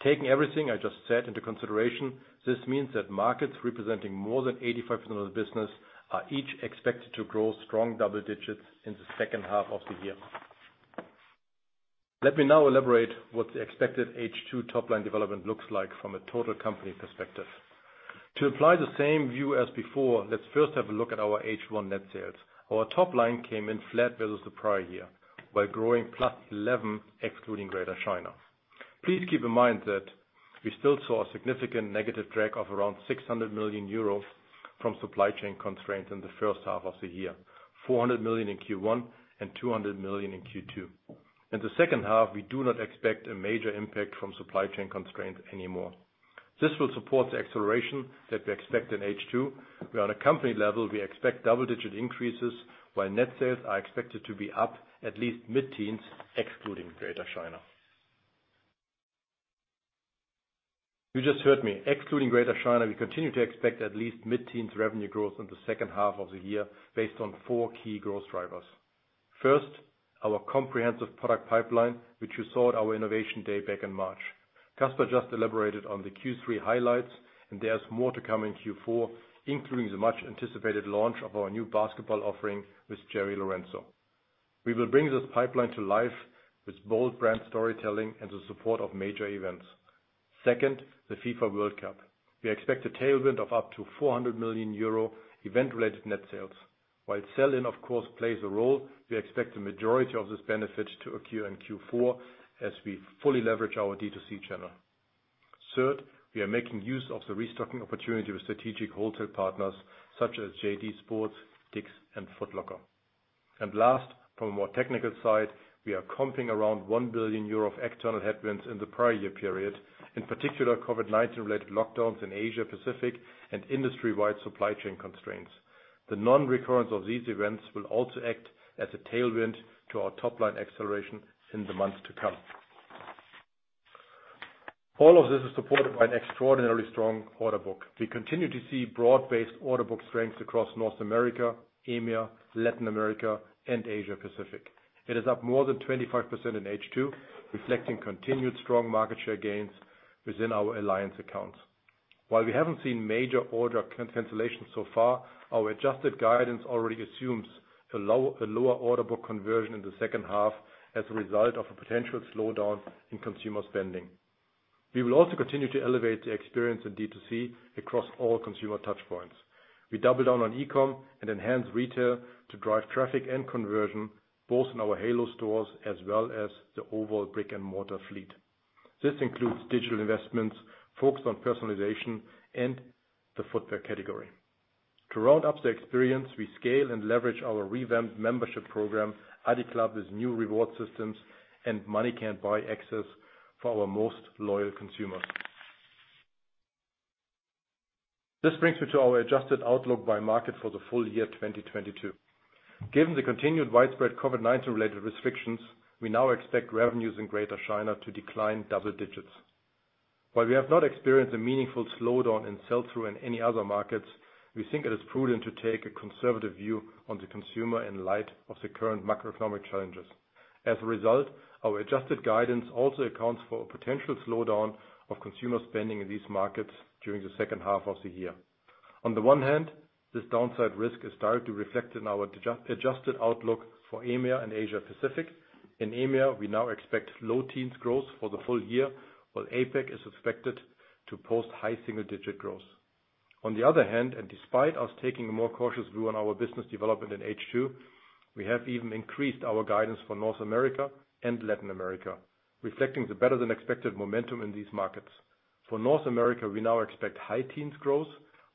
Taking everything I just said into consideration, this means that markets representing more than 85% of the business are each expected to grow strong double digits in the second half of the year. Let me now elaborate what the expected H2 top line development looks like from a total company perspective. To apply the same view as before, let's first have a look at our H1 net sales. Our top line came in flat versus the prior year while growing +11% excluding Greater China. Please keep in mind that we still saw a significant negative drag of around 600 million euros from supply chain constraints in the first half of the year, 400 million in Q1 and 200 million in Q2. In the second half, we do not expect a major impact from supply chain constraints anymore. This will support the acceleration that we expect in H2, where on a company level, we expect double-digit increases while net sales are expected to be up at least mid-teens, excluding Greater China. You just heard me. Excluding Greater China, we continue to expect at least mid-teens revenue growth in the second half of the year based on four key growth drivers. First, our comprehensive product pipeline, which you saw at our Innovation Day back in March. Kasper just elaborated on the Q3 highlights, and there's more to come in Q4, including the much-anticipated launch of our new basketball offering with Jerry Lorenzo. We will bring this pipeline to life with bold brand storytelling and the support of major events. Second, the FIFA World Cup. We expect a tailwind of up to 400 million euro event-related net sales. While sell-in of course plays a role, we expect the majority of this benefit to occur in Q4 as we fully leverage our D2C channel. Third, we are making use of the restocking opportunity with strategic wholesale partners such as JD Sports, DICK'S, and Foot Locker. Last, from a more technical side, we are comping around 1 billion euro of external headwinds in the prior year period, in particular, COVID-19 related lockdowns in Asia Pacific and industry-wide supply chain constraints. The non-recurrence of these events will also act as a tailwind to our top line acceleration in the months to come. All of this is supported by an extraordinarily strong order book. We continue to see broad-based order book strength across North America, EMEA, Latin America, and Asia Pacific. It is up more than 25% in H2, reflecting continued strong market share gains within our alliance accounts. While we haven't seen major order cancellations so far, our adjusted guidance already assumes a lower order book conversion in the second half as a result of a potential slowdown in consumer spending. We will also continue to elevate the experience in D2C across all consumer touchpoints. We double down on eCom and enhance retail to drive traffic and conversion, both in our halo stores as well as the overall brick-and-mortar fleet. This includes digital investments focused on personalization and the footwear category. To round out the experience, we scale and leverage our revamped membership program, adiClub's new reward systems, and money-can't-buy access for our most loyal consumers. This brings me to our adjusted outlook by market for the full-year 2022. Given the continued widespread COVID-19 related restrictions, we now expect revenues in Greater China to decline double digits. While we have not experienced a meaningful slowdown in sell-through in any other markets, we think it is prudent to take a conservative view on the consumer in light of the current macroeconomic challenges. As a result, our adjusted guidance also accounts for a potential slowdown of consumer spending in these markets during the second half of the year. On the one hand, this downside risk is directly reflected in our adjusted outlook for EMEA and Asia Pacific. In EMEA, we now expect low-teens growth for the full-year, while APAC is expected to post high-single-digit growth. On the other hand, despite us taking a more cautious view on our business development in H2, we have even increased our guidance for North America and Latin America, reflecting the better-than-expected momentum in these markets. For North America, we now expect high teens growth,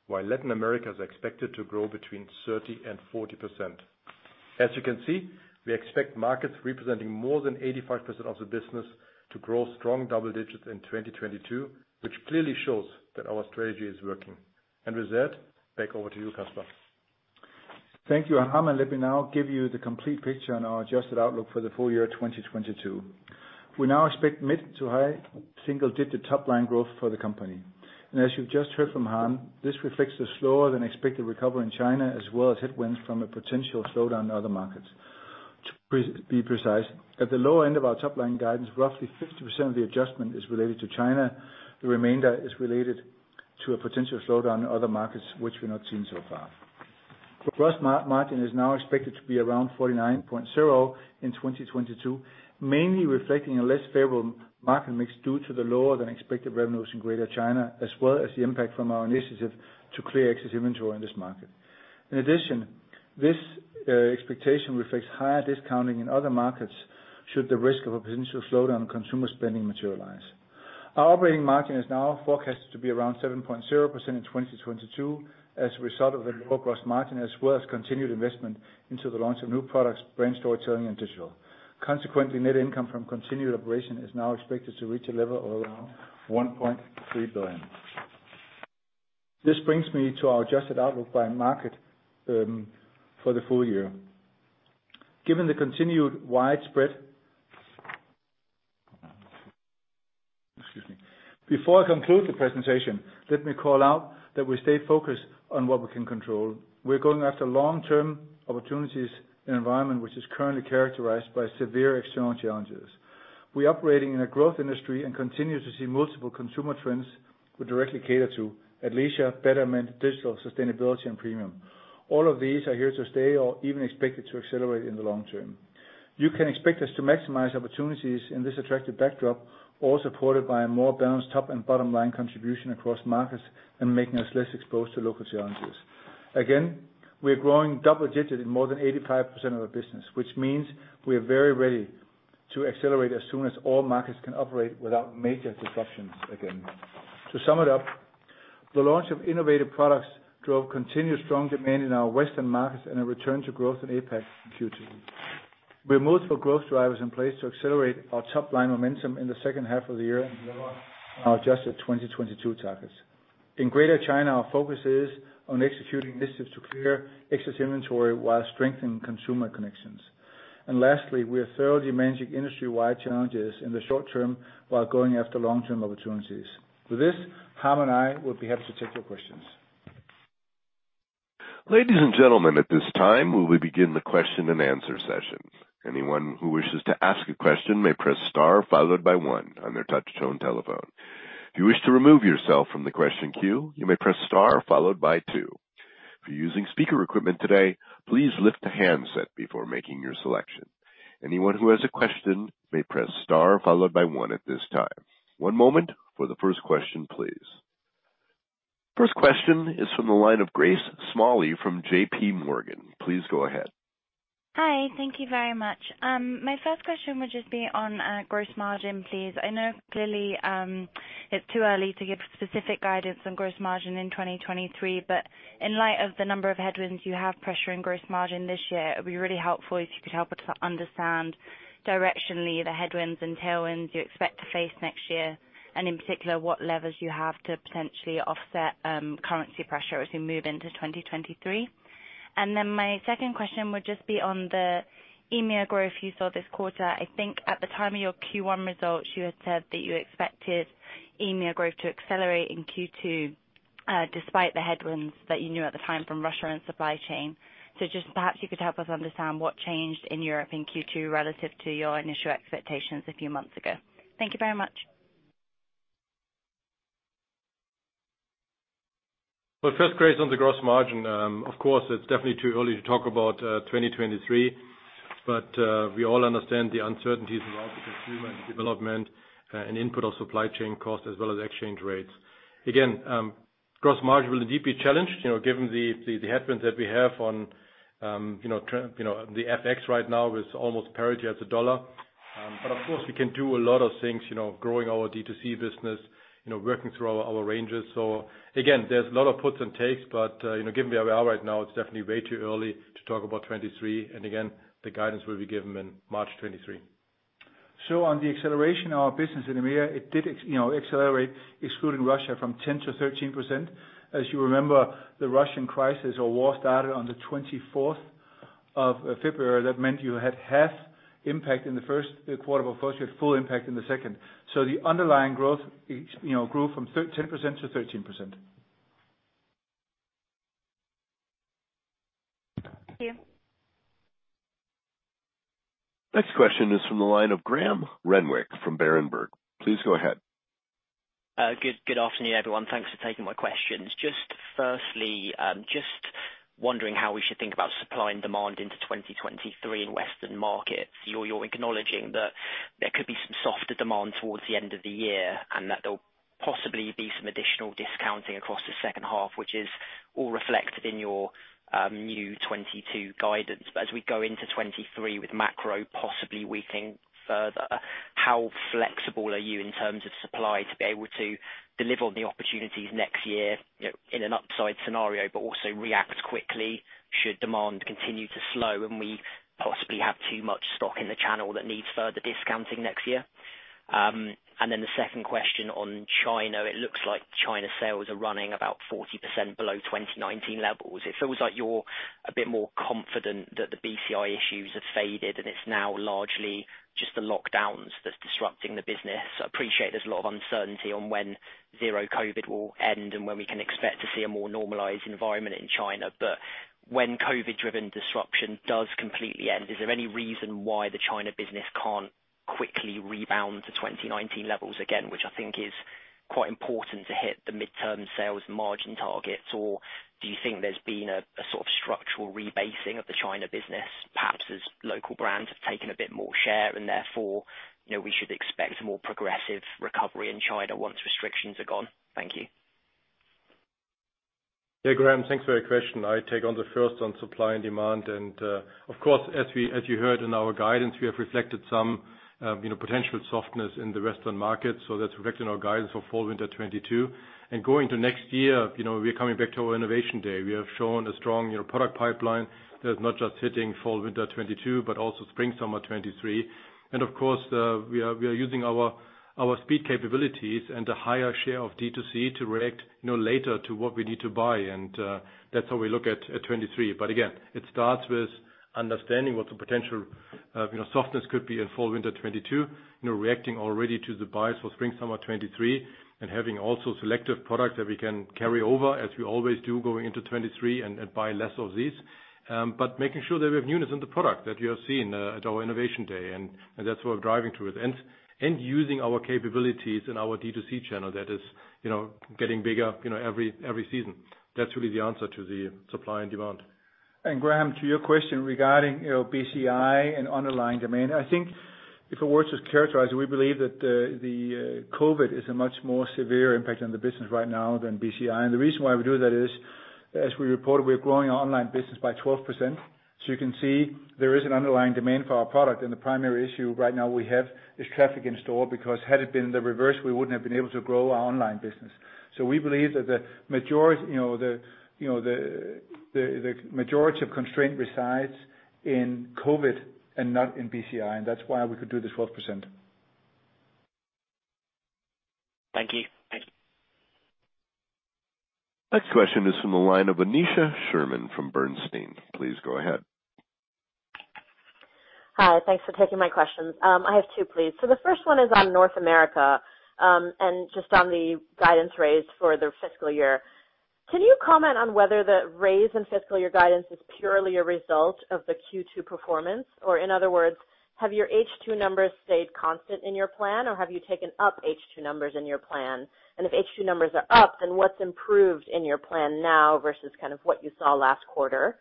while Latin America is expected to grow 30%-40%. As you can see, we expect markets representing more than 85% of the business to grow strong double digits in 2022, which clearly shows that our strategy is working. With that, back over to you, Kasper. Thank you, Harm. Let me now give you the complete picture on our adjusted outlook for the full-year 2022. We now expect mid- to high single-digit % top line growth for the company. As you've just heard from Harm, this reflects the slower than expected recovery in China, as well as headwinds from a potential slowdown in other markets. To be precise, at the lower end of our top line guidance, roughly 50% of the adjustment is related to China. The remainder is related to a potential slowdown in other markets which we're not seeing so far. Gross margin is now expected to be around 49.0% in 2022, mainly reflecting a less favorable market mix due to the lower than expected revenues in Greater China, as well as the impact from our initiative to clear excess inventory in this market. In addition, this expectation reflects higher discounting in other markets should the risk of a potential slowdown in consumer spending materialize. Our operating margin is now forecasted to be around 7.0% in 2022 as a result of the low gross margin, as well as continued investment into the launch of new products, brand storytelling and digital. Consequently, net income from continuing operations is now expected to reach a level of around 1.3 billion. This brings me to our adjusted outlook by market for the full-year. Before I conclude the presentation, let me call out that we stay focused on what we can control. We're going after long-term opportunities in an environment which is currently characterized by severe external challenges. We're operating in a growth industry and continue to see multiple consumer trends we directly cater to, athleisure, betterment, digital, sustainability and premium. All of these are here to stay or even expected to accelerate in the long term. You can expect us to maximize opportunities in this attractive backdrop, all supported by a more balanced top and bottom line contribution across markets and making us less exposed to local challenges. Again, we are growing double digits in more than 85% of our business, which means we are very ready to accelerate as soon as all markets can operate without major disruptions again. To sum it up, the launch of innovative products drove continued strong demand in our Western markets and a return to growth in APAC in Q2. With multiple growth drivers in place to accelerate our top line momentum in the second half of the year and deliver our adjusted 2022 targets. In Greater China, our focus is on executing initiatives to clear excess inventory while strengthening consumer connections. Lastly, we are thoroughly managing industry-wide challenges in the short term while going after long-term opportunities. With this, Harm and I will be happy to take your questions. Ladies and gentlemen, at this time, we will begin the question and answer session. Anyone who wishes to ask a question may press star followed by one on their touch tone telephone. If you wish to remove yourself from the question queue, you may press star followed by two. If you're using speaker equipment today, please lift the handset before making your selection. Anyone who has a question may press star followed by one at this time. One moment for the first question, please. First question is from the line of Grace Smalley from Morgan Stanley. Please go ahead. Hi. Thank you very much. My first question would just be on gross margin, please. I know clearly it's too early to give specific guidance on gross margin in 2023, but in light of the number of headwinds you have pressuring gross margin this year, it would be really helpful if you could help us understand directionally the headwinds and tailwinds you expect to face next year, and in particular, what levers you have to potentially offset currency pressure as we move into 2023. My second question would just be on the EMEA growth you saw this quarter. I think at the time of your Q1 results, you had said that you expected EMEA growth to accelerate in Q2, despite the headwinds that you knew at the time from Russia and supply chain. Just perhaps you could help us understand what changed in Europe in Q2 relative to your initial expectations a few months ago. Thank you very much. Well, first, Grace, on the gross margin, of course it's definitely too early to talk about 2023, but we all understand the uncertainties around the consumer and development, and input of supply chain costs as well as exchange rates. Again, gross margin will be deeply challenged, you know, given the headwinds that we have on, you know, the FX right now with almost parity at the dollar. Of course we can do a lot of things, you know, growing our D2C business, you know, working through our ranges. Again, there's a lot of puts and takes, but, you know, given where we are right now, it's definitely way too early to talk about 2023. Again, the guidance will be given in March 2023. On the acceleration of our business in EMEA, it did you know, accelerate excluding Russia from 10%-13%. As you remember, the Russian crisis or war started on the 24th of February. That meant you had half impact in the first quarter, but of course you had full impact in the second. The underlying growth, you know, grew from 10% to 13%. Thank you. Next question is from the line of Graham Renwick from Berenberg. Please go ahead. Good afternoon, everyone. Thanks for taking my questions. Just firstly, just wondering how we should think about supply and demand into 2023 in Western markets. You're acknowledging that there could be some softer demand towards the end of the year, and that there'll possibly be some additional discounting across the second half, which is all reflected in your new 2022 guidance. As we go into 2023 with macro possibly weakening further, how flexible are you in terms of supply to be able to deliver on the opportunities next year, you know, in an upside scenario, but also react quickly should demand continue to slow and we possibly have too much stock in the channel that needs further discounting next year? The second question on China. It looks like China sales are running about 40% below 2019 levels. It feels like you're a bit more confident that the BCI issues have faded and it's now largely just the lockdowns that's disrupting the business. I appreciate there's a lot of uncertainty on when zero-COVID will end and when we can expect to see a more normalized environment in China. When COVID-driven disruption does completely end, is there any reason why the China business can't quickly rebound to 2019 levels again, which I think is quite important to hit the mid-term sales margin targets? Do you think there's been a sort of structural rebasing of the China business, perhaps as local brands have taken a bit more share and therefore, you know, we should expect a more progressive recovery in China once restrictions are gone? Thank you. Yeah, Graham, thanks for your question. I'll take on the first one on supply and demand, and of course, as you heard in our guidance, we have reflected some, you know, potential softness in the Western market. That's reflected in our guidance for fall/winter 2022. Going to next year, you know, we are coming back to our Innovation Day. We have shown a strong, you know, product pipeline that is not just hitting fall/winter 2022, but also spring/summer 2023. Of course, we are using our speed capabilities and a higher share of D2C to react, you know, later to what we need to buy. That's how we look at 2023. Again, it starts with understanding what the potential, you know, softness could be in fall/winter 2022, you know, reacting already to the buys for spring/summer 2023, and having also selective products that we can carry over as we always do, going into 2023 and buy less of these. But making sure that we have newness in the product that we have seen at our innovation day, and that's what we're driving towards. And using our capabilities in our D2C channel that is, you know, getting bigger, you know, every season. That's really the answer to the supply and demand. Graham, to your question regarding, you know, BCI and underlying demand. I think if it were to characterize, we believe that COVID is a much more severe impact on the business right now than BCI. The reason why we do that is, as we reported, we are growing our online business by 12%. You can see there is an underlying demand for our product, and the primary issue right now we have is traffic in store, because had it been the reverse, we wouldn't have been able to grow our online business. We believe that the majority of constraint resides in COVID and not in BCI, and that's why we could do the 12%. Thank you. Thank you. Next question is from the line of Aneesha Sherman from Bernstein. Please go ahead. Hi. Thanks for taking my questions. I have two, please. The first one is on North America, and just on the guidance raise for the fiscal year. Can you comment on whether the raise in fiscal year guidance is purely a result of the Q2 performance? Or in other words, have your H2 numbers stayed constant in your plan, or have you taken up H2 numbers in your plan? And if H2 numbers are up, then what's improved in your plan now versus kind of what you saw last quarter?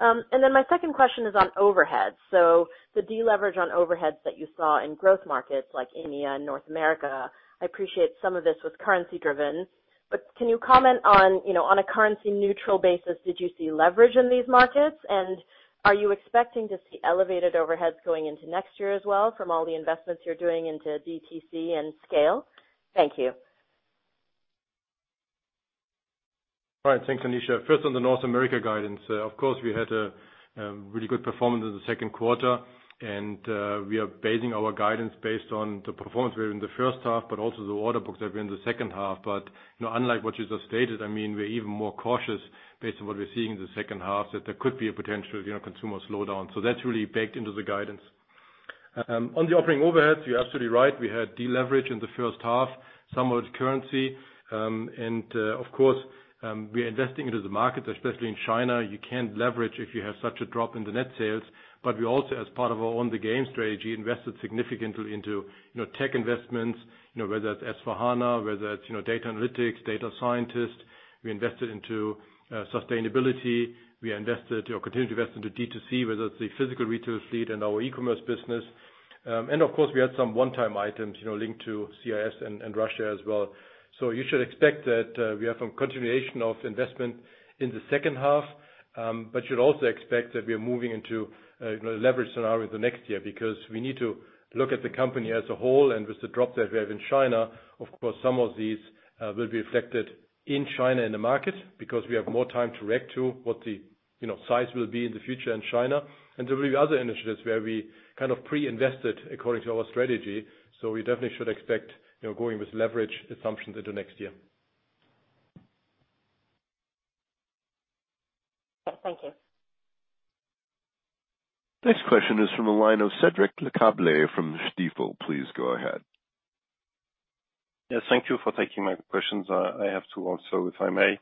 And then my second question is on overhead. The deleverage on overheads that you saw in growth markets like India and North America, I appreciate some of this was currency driven, but can you comment on, you know, on a currency neutral basis, did you see leverage in these markets? Are you expecting to see elevated overheads going into next year as well from all the investments you're doing into D2C and scale? Thank you. All right. Thanks, Aneesha. First on the North America guidance. Of course, we had a really good performance in the second quarter, and we are basing our guidance based on the performance we have in the first half, but also the order books that are in the second half. You know, unlike what you just stated, I mean, we're even more cautious based on what we're seeing in the second half, that there could be a potential, you know, consumer slowdown. So that's really baked into the guidance. On the operating overheads, you're absolutely right. We had deleverage in the first half, some of it currency. We are investing into the markets, especially in China. You can't leverage if you have such a drop in the net sales. We also as part of our Own the Game strategy, invested significantly into, you know, tech investments, you know, whether it's S/4HANA, whether it's, you know, data analytics, data scientists. We invested into sustainability. We invested or continue to invest into D2C, whether it's the physical retail fleet and our e-commerce business. Of course, we had some one-time items, you know, linked to CIS and Russia as well. You should expect that we have some continuation of investment in the second half, but you should also expect that we are moving into, you know, leverage scenario the next year because we need to look at the company as a whole and with the drop that we have in China, of course, some of these will be reflected in China in the market because we have more time to react to what the, you know, size will be in the future in China. There will be other initiatives where we kind of pre-invested according to our strategy. We definitely should expect, you know, going with leverage assumptions into next year. Thank you. Next question is from the line of Cédric Lecasble from Stifel. Please go ahead. Yes, thank you for taking my questions. I have two also, if I may.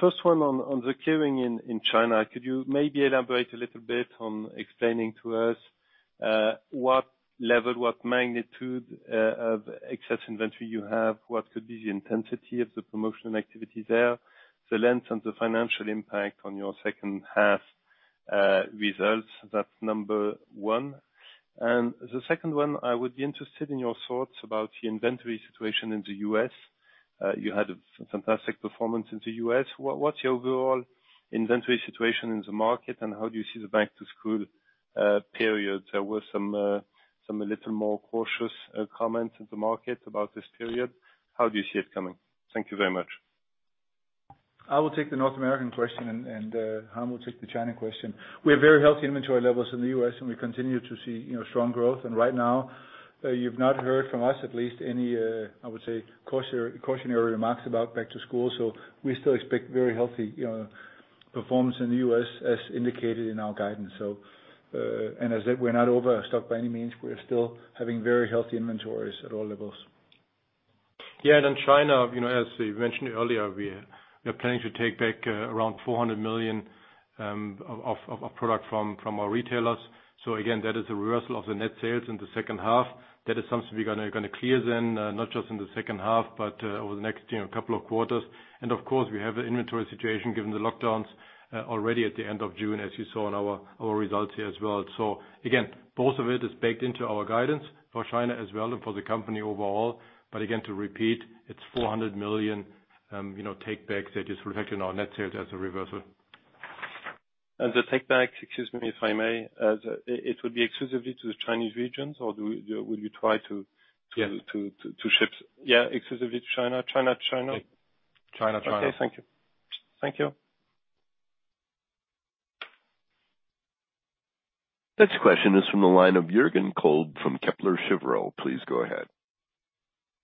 First one on the cues in China. Could you maybe elaborate a little bit on explaining to us what level, what magnitude of excess inventory you have? What could be the intensity of the promotional activity there? The length and the financial impact on your second half results? That's number one. The second one, I would be interested in your thoughts about the inventory situation in the US. You had a fantastic performance in the US. What's your overall inventory situation in the market, and how do you see the back-to-school period? There were some a little more cautious comments in the market about this period. How do you see it coming? Thank you very much. I will take the North American question, and Harm will take the China question. We have very healthy inventory levels in the US and we continue to see, you know, strong growth. Right now, you've not heard from us at least any, I would say, cautionary remarks about back to school. We still expect very healthy, you know, performance in the US as indicated in our guidance. As said, we're not overstocked by any means. We are still having very healthy inventories at all levels. Yeah, in China, you know, as we mentioned earlier, we are planning to take back around 400 million of product from our retailers. So again, that is a reversal of the net sales in the second half. That is something we're gonna clear then, not just in the second half but over the next, you know, couple of quarters. Of course, we have an inventory situation given the lockdowns already at the end of June, as you saw in our results here as well. So again, both of it is baked into our guidance for China as well and for the company overall. But again, to repeat, it's 400 million, you know, take backs that is reflected in our net sales as a reversal. The takeaways, excuse me, if I may, it will be exclusively to the Chinese regions or will you try to Yes. To ship? Yeah, exclusively to China? China. Okay, thank you. Thank you. Next question is from the line of Jürgen Kolb from Kepler Cheuvreux. Please go ahead.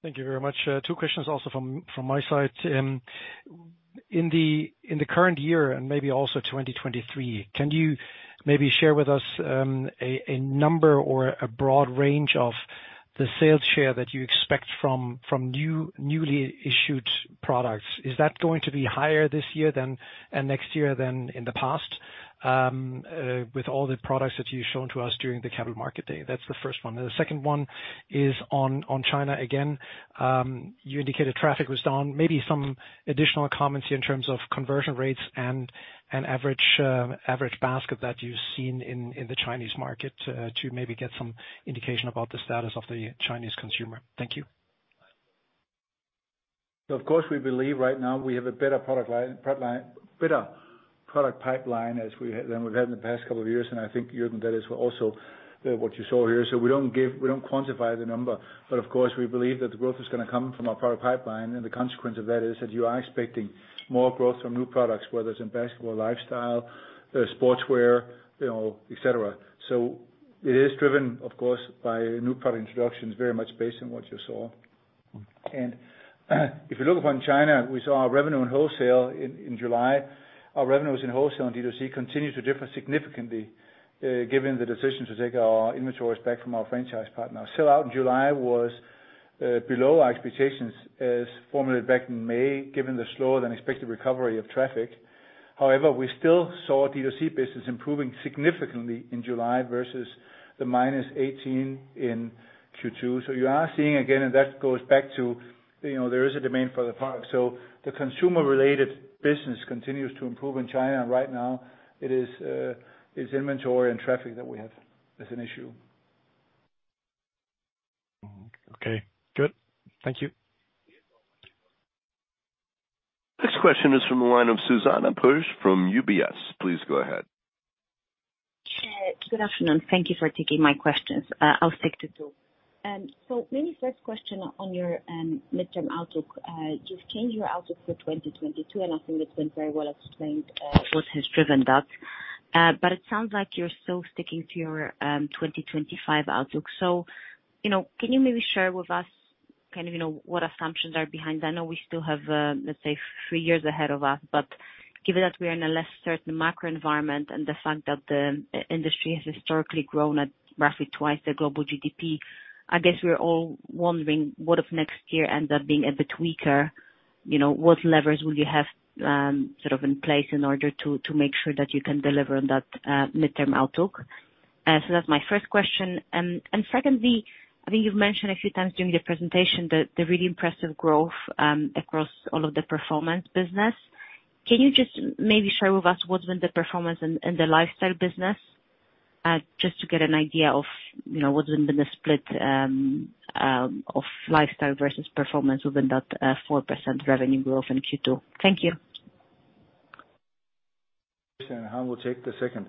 Thank you very much. Two questions also from my side. In the current year and maybe also 2023, can you maybe share with us a number or a broad range of the sales share that you expect from new, newly issued products? Is that going to be higher this year and next year than in the past, with all the products that you've shown to us during the capital market day? That's the first one. The second one is on China again. You indicated traffic was down. Maybe some additional comments in terms of conversion rates and average basket that you've seen in the Chinese market, to maybe get some indication about the status of the Chinese consumer. Thank you. Of course, we believe right now we have a better product line, better product pipeline than we've had in the past couple of years. I think, Jürgen, that is also what you saw here. We don't give, we don't quantify the number, but of course, we believe that the growth is gonna come from our product pipeline. The consequence of that is that you are expecting more growth from new products, whether it's in basketball, lifestyle, sportswear, you know, et cetera. It is driven, of course, by new product introductions, very much based on what you saw. If you look upon China, we saw our revenues in wholesale in July. Our revenues in wholesale and D2C continued to differ significantly, given the decision to take our inventories back from our franchise partners. Sell out in July was below our expectations as formulated back in May, given the slower than expected recovery of traffic. However, we still saw D2C business improving significantly in July versus the -18% in Q2. You are seeing again, and that goes back to, you know, there is a demand for the product. The consumer-related business continues to improve in China. Right now, it is, it's inventory and traffic that we have as an issue. Okay, good. Thank you. Next question is from the line of Zuzanna Pusz from UBS. Please go ahead. Good afternoon. Thank you for taking my questions. I'll stick to two. Maybe first question on your midterm outlook. You've changed your outlook for 2022, and I think it's been very well explained what has driven that. It sounds like you're still sticking to your 2025 outlook. You know, can you maybe share with us kind of, you know, what assumptions are behind that? I know we still have, let's say three years ahead of us, but given that we are in a less certain macro environment and the fact that the industry has historically grown at roughly twice the global GDP, I guess we're all wondering what if next year ends up being a bit weaker, you know, what levers will you have, sort of in place in order to make sure that you can deliver on that midterm outlook? So that's my first question. Secondly, I think you've mentioned a few times during the presentation the really impressive growth across all of the performance business. Can you just maybe share with us what's been the performance in the lifestyle business? Just to get an idea of, you know, what's been the split of lifestyle versus performance within that 4% revenue growth in Q2. Thank you. I will take the second.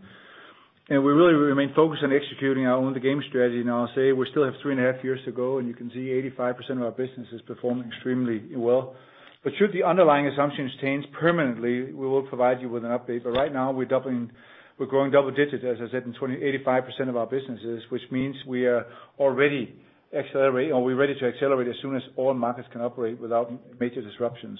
We really remain focused on executing our Own the Game strategy. Now, I'll say we still have three and a half years to go, and you can see 85% of our business is performing extremely well. Should the underlying assumptions change permanently, we will provide you with an update. Right now we're doubling, we're growing double digits, as I said, in 85% of our businesses, which means we are already ready to accelerate as soon as all markets can operate without major disruptions.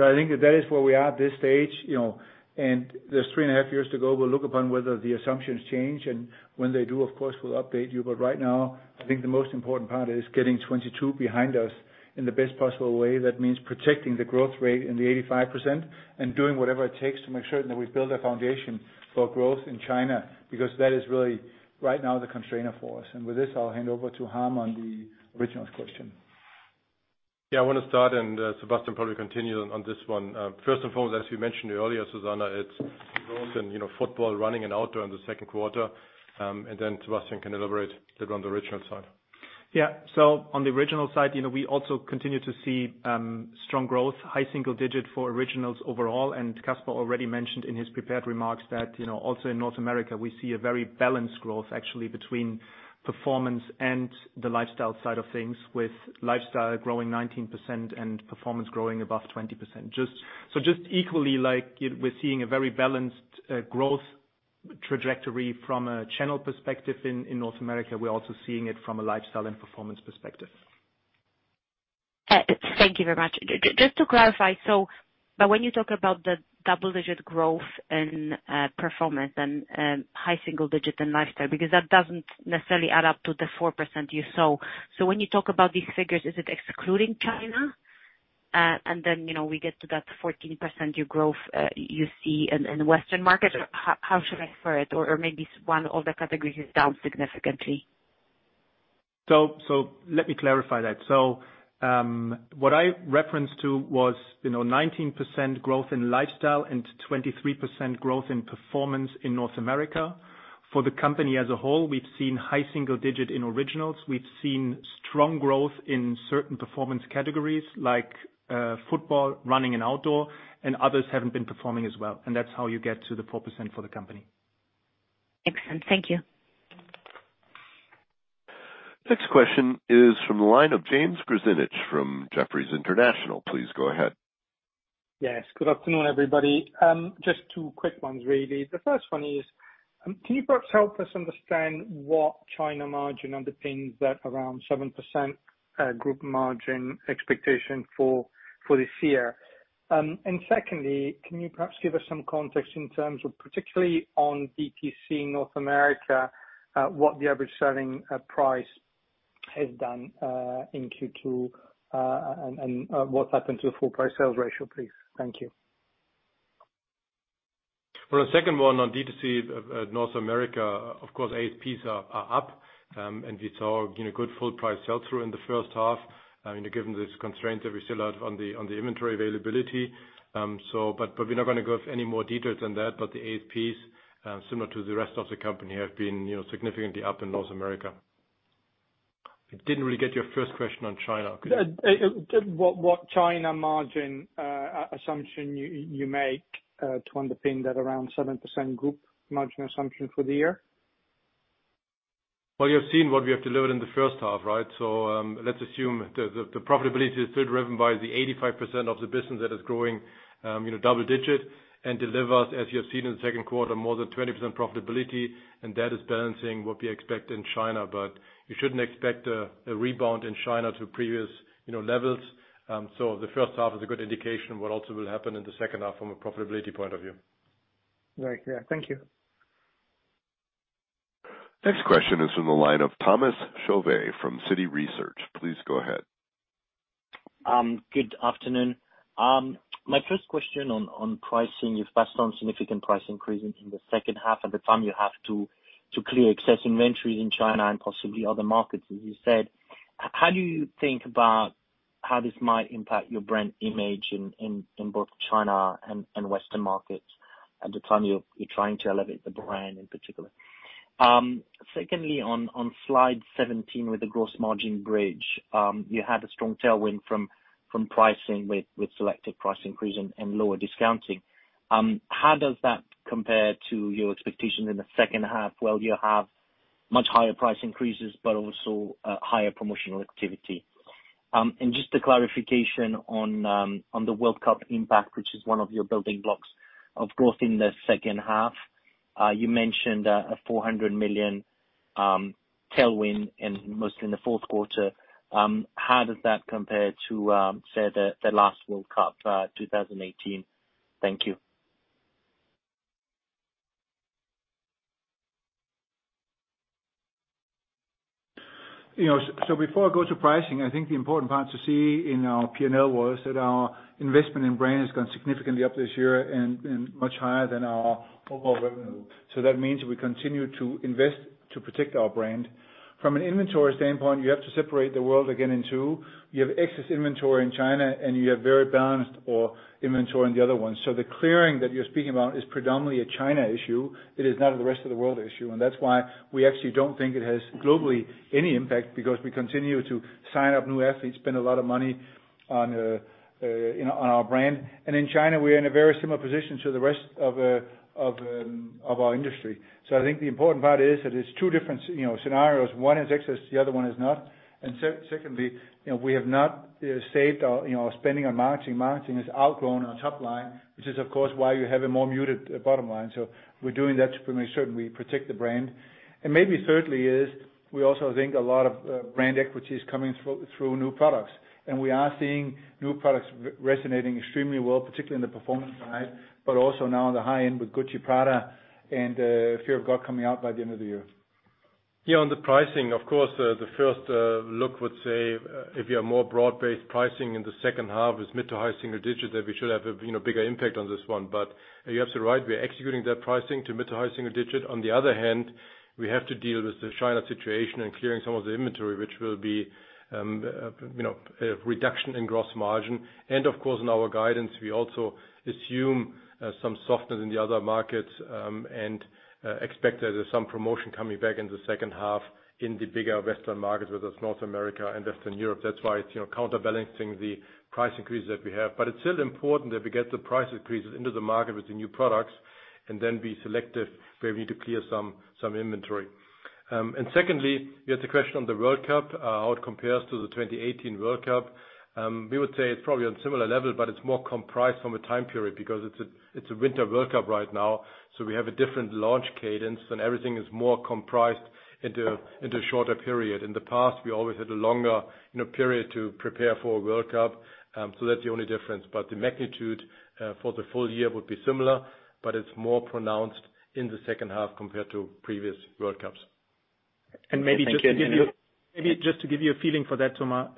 I think that is where we are at this stage, you know, and there's three and a half years to go. We'll look upon whether the assumptions change, and when they do, of course, we'll update you. Right now, I think the most important part is getting 2022 behind us in the best possible way. That means protecting the growth rate in the 85% and doing whatever it takes to make certain that we build a foundation for growth in China, because that is really right now the constrainer for us. With this, I'll hand over to Harm on the Originals question. Yeah, I want to start and Sebastian probably continue on this one. First and foremost, as we mentioned earlier, Zuzanna, it's growth in, you know, football, running and outdoor in the second quarter. Sebastian can elaborate a bit on the Originals side. On the Originals side, you know, we also continue to see strong growth, high single-digit for Originals overall. Kasper already mentioned in his prepared remarks that, you know, also in North America, we see a very balanced growth actually between performance and the lifestyle side of things, with lifestyle growing 19% and performance growing above 20%. Just equally like we're seeing a very balanced growth. Trajectory from a channel perspective in North America, we're also seeing it from a lifestyle and performance perspective. Thank you very much. Just to clarify, when you talk about the double-digit growth in performance and high single-digit in lifestyle, because that doesn't necessarily add up to the 4% you saw. When you talk about these figures, is it excluding China? You know, we get to that 14% YoY growth you see in the Western market. How should I read it? Maybe one of the categories is down significantly. Let me clarify that. What I referred to was, you know, 19% growth in lifestyle and 23% growth in performance in North America. For the company as a whole, we've seen high single-digit in Originals. We've seen strong growth in certain performance categories like football, running, and outdoor, and others haven't been performing as well. That's how you get to the 4% for the company. Excellent. Thank you. Next question is from the line of James Grzinic from Jefferies International. Please go ahead. Yes. Good afternoon, everybody. Just two quick ones, really. The first one is, can you perhaps help us understand what China margin underpins that around 7% group margin expectation for this year? Secondly, can you perhaps give us some context in terms of, particularly on DTC North America, what the average selling price has done in Q2, and what's happened to the full price sales ratio, please? Thank you. For the second one on DTC, North America, of course, ASPs are up, and we saw, you know, good full price sell-through in the first half, I mean, given this constraint that we still have on the inventory availability. We're not gonna go with any more details than that. The ASPs, similar to the rest of the company, have been, you know, significantly up in North America. I didn't really get your first question on China. What China margin assumption you make to underpin that around 7% group margin assumption for the year? Well, you've seen what we have delivered in the first half, right? Let's assume the profitability is still driven by the 85% of the business that is growing, you know, double-digit and delivers, as you have seen in the second quarter, more than 20% profitability, and that is balancing what we expect in China. You shouldn't expect a rebound in China to previous, you know, levels. The first half is a good indication what also will happen in the second half from a profitability point of view. Right. Yeah. Thank you. Next question is from the line of Thomas Chauvet from Citi Research. Please go ahead. Good afternoon. My first question on pricing. You've passed on significant price increases in the second half at the time you have to clear excess inventories in China and possibly other markets as you said. How do you think about how this might impact your brand image in both China and Western markets at the time you're trying to elevate the brand in particular? Secondly, on Slide 17 with the gross margin bridge, you had a strong tailwind from pricing with selective price increase and lower discounting. How does that compare to your expectations in the second half while you have much higher price increases, but also higher promotional activity? Just a clarification on the World Cup impact, which is one of your building blocks, of course, in the second half. You mentioned a 400 million tailwind and mostly in the fourth quarter. How does that compare to, say, the last World Cup, 2018? Thank you. You know, before I go to pricing, I think the important part to see in our P&L was that our investment in brand has gone significantly up this year and much higher than our overall revenue. That means we continue to invest to protect our brand. From an inventory standpoint, you have to separate the world again in two. You have excess inventory in China, and you have very balanced inventory in the other one. The clearing that you're speaking about is predominantly a China issue. It is not the rest of the world issue, and that's why we actually don't think it has globally any impact because we continue to sign up new athletes, spend a lot of money on our brand. In China, we are in a very similar position to the rest of our industry. I think the important part is that it's two different, you know, scenarios. One has excess, the other one has not. Secondly, you know, we have not saved our, you know, spending on marketing. Marketing has outgrown our top line, which is of course why you have a more muted bottom line. We're doing that to make certain we protect the brand. Maybe thirdly is we also think a lot of brand equity is coming through new products, and we are seeing new products resonating extremely well, particularly in the performance side, but also now on the high end with Gucci, Prada and Fear of God coming out by the end of the year. Yeah, on the pricing, of course, the first look would say, if you have more broad-based pricing in the second half is mid- to high-single digits%, that we should have a, you know, bigger impact on this one. But you are absolutely right, we are executing that pricing to mid- to high-single digit%. On the other hand, we have to deal with the China situation and clearing some of the inventory, which will be, you know, a reduction in gross margin. Of course, in our guidance, we also assume some softness in the other markets, and expect that there's some promotion coming back in the second half in the bigger Western markets, whether it's North America and Western Europe. That's why it's, you know, counterbalancing the price increases that we have. It's still important that we get the price increases into the market with the new products and then be selective where we need to clear some inventory. Secondly, you had the question on the World Cup, how it compares to the 2018 World Cup. We would say it's probably on similar level, but it's more compressed from a time period because it's a winter World Cup right now, so we have a different launch cadence, and everything is more compressed into a shorter period. In the past, we always had a longer, you know, period to prepare for a World Cup. That's the only difference. The magnitude for the full-year would be similar, but it's more pronounced in the second half compared to previous World Cups. Maybe just to give you a feeling for that, Thomas,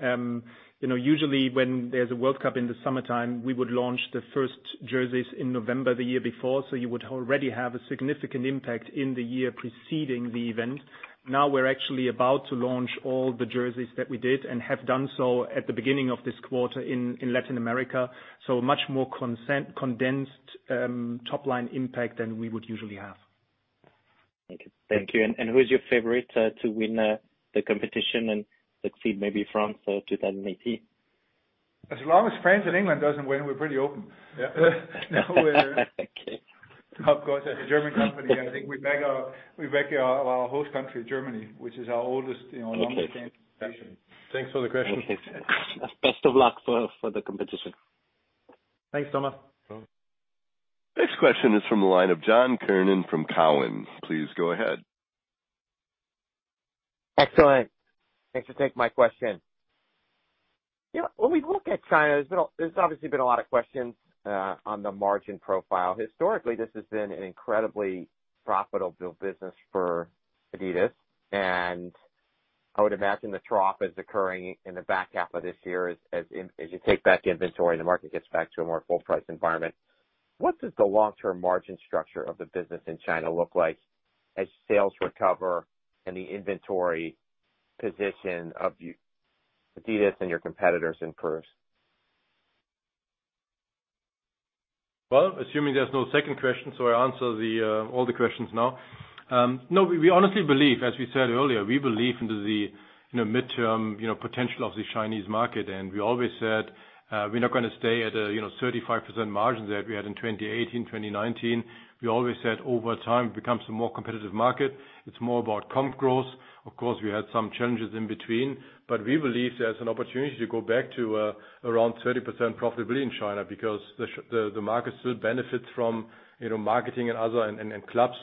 you know, usually when there's a World Cup in the summertime, we would launch the first jerseys in November the year before, so you would already have a significant impact in the year preceding the event. Now we're actually about to launch all the jerseys that we did, and have done so at the beginning of this quarter in Latin America, so much more condensed top line impact than we would usually have. Thank you. Who is your favorite to win the competition and succeed maybe France of 2018? As long as France and England doesn't win, we're pretty open. Okay. Of course, as a German company, I think we back our host country, Germany, which is our oldest, you know, long-standing nation. Okay. Thanks for the question. Okay. Best of luck for the competition. Thanks, Thomas. Next question is from the line of John Kernan from Cowen. Please go ahead. Excellent. Thanks. Take my question. You know, when we look at China, there's obviously been a lot of questions on the margin profile. Historically, this has been an incredibly profitable business for adidas, and I would imagine the trough is occurring in the back half of this year as you take back inventory and the market gets back to a more full price environment. What does the long-term margin structure of the business in China look like as sales recover and the inventory position of adidas and your competitors improves? Well, assuming there's no second question, I answer all the questions now. No, we honestly believe, as we said earlier, we believe in the midterm potential of the Chinese market. We always said we're not gonna stay at a 35% margin that we had in 2018, 2019. We always said over time, it becomes a more competitive market. It's more about comp growth. Of course, we had some challenges in between, but we believe there's an opportunity to go back to around 30% profitability in China because the market still benefits from marketing and other clubs